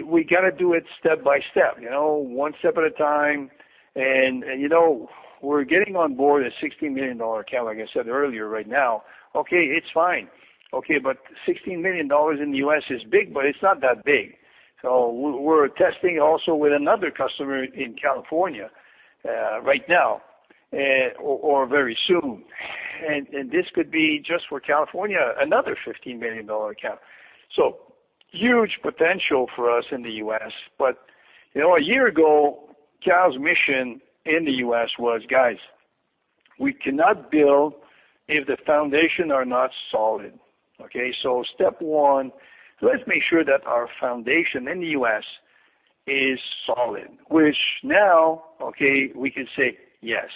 We got to do it step-by-step, one step at a time. We're getting on board a 16 million dollar account, like I said earlier, right now. Okay, it's fine. Okay, 16 million dollars in the U.S. is big, but it's not that big. We're testing also with another customer in California, right now or very soon. This could be just for California, another 15 million dollar account. Huge potential for us in the U.S. A year ago, Kal's mission in the U.S. was, guys, we cannot build if the foundation are not solid. Okay? Step one, let's make sure that our foundation in the U.S. is solid, which now, okay, we can say yes.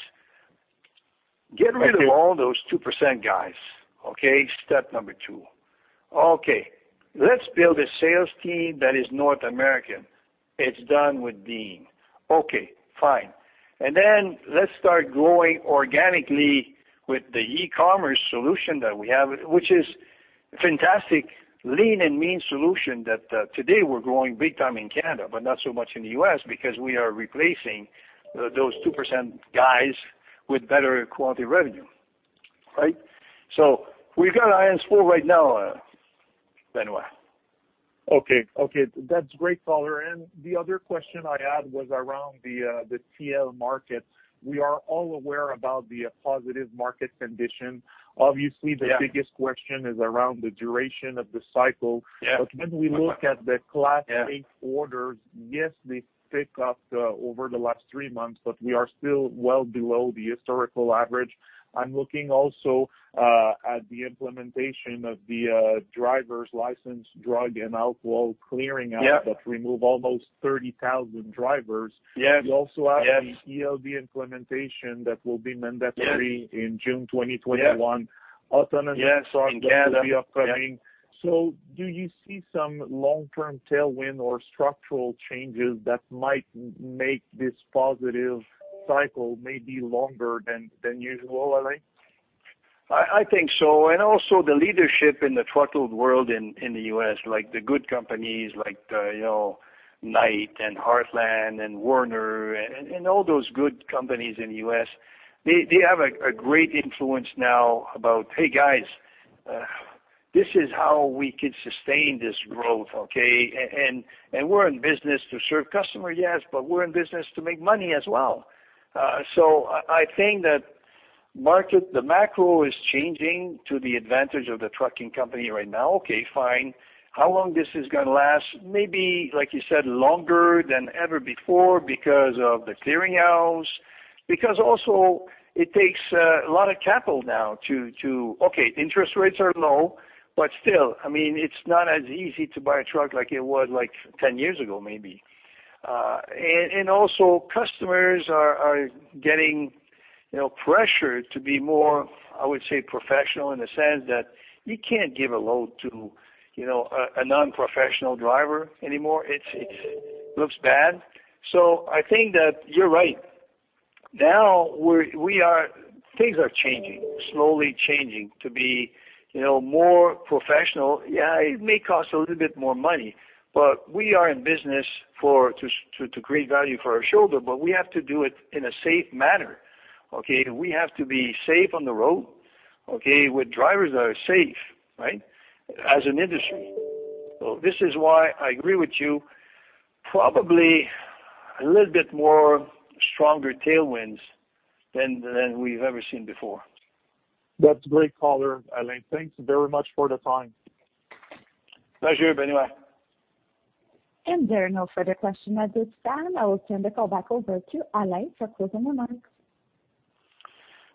Get rid of all those 2% guys, okay? Step number two. Okay. Let's build a sales team that is North American. It's done with Dean. Okay, fine. Let's start growing organically with the e-commerce solution that we have, which is fantastic lean and mean solution that today we're growing big time in Canada, but not so much in the U.S. because we are replacing those 2% guys with better quality revenue, right? we've got our eyes full right now, Benoit. Okay. That's great color. The other question I had was around the TL market. We are all aware about the positive market condition. Obviously- Yeah ...the biggest question is around the duration of the cycle. Yeah. When we look at the Class 8 orders, yes, they pick up over the last three months, but we are still well below the historical average. I'm looking also at the implementation of the driver's license drug and alcohol clearinghouse- Yeah ...that remove almost 30,000 drivers. Yes. We also have the ELD implementation that will be mandatory- Yes ...in June 2021. Yes. Autonomous truck that will be upcoming. Yes. Do you see some long-term tailwind or structural changes that might make this positive cycle may be longer than usual, Alain? I think so. Also the leadership in the truckload world in the U.S., like the good companies like Knight and Heartland and Werner and all those good companies in the U.S., they have a great influence now about, hey guys, this is how we could sustain this growth, okay? We're in business to serve customer, yes, but we're in business to make money as well. I think that market, the macro is changing to the advantage of the trucking company right now. Okay, fine. How long this is going to last? Maybe, like you said, longer than ever before because of the clearinghouse, because also it takes a lot of capital now too. Okay, interest rates are low, but still, it's not as easy to buy a truck like it was like 10 years ago, maybe. Also customers are getting pressured to be more, I would say, professional in the sense that you can't give a load to a non-professional driver anymore. It looks bad. I think that you're right. Now things are changing, slowly changing to be more professional. Yeah, it may cost a little bit more money, but we are in business to create value for our shareholder, but we have to do it in a safe manner. Okay? We have to be safe on the road, okay, with drivers that are safe, right, as an industry. This is why I agree with you, probably a little bit more stronger tailwinds than we've ever seen before. That's great color, Alain. Thanks very much for the time. Pleasure, Benoit. There are no further question at this time. I will turn the call back over to Alain for closing remarks.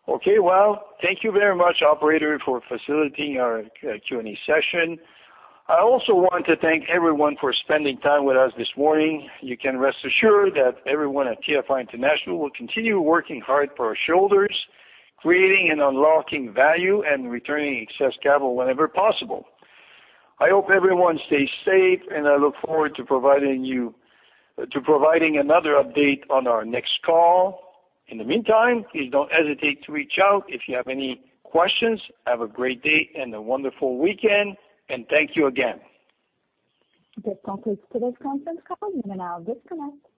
Okay. Well, thank you very much, operator, for facilitating our Q&A session. I also want to thank everyone for spending time with us this morning. You can rest assured that everyone at TFI International will continue working hard for our shareholders, creating and unlocking value and returning excess capital whenever possible. I hope everyone stays safe, and I look forward to providing another update on our next call. In the meantime, please don't hesitate to reach out if you have any questions. Have a great day and a wonderful weekend, and thank you again. This concludes today's conference call. You may now disconnect.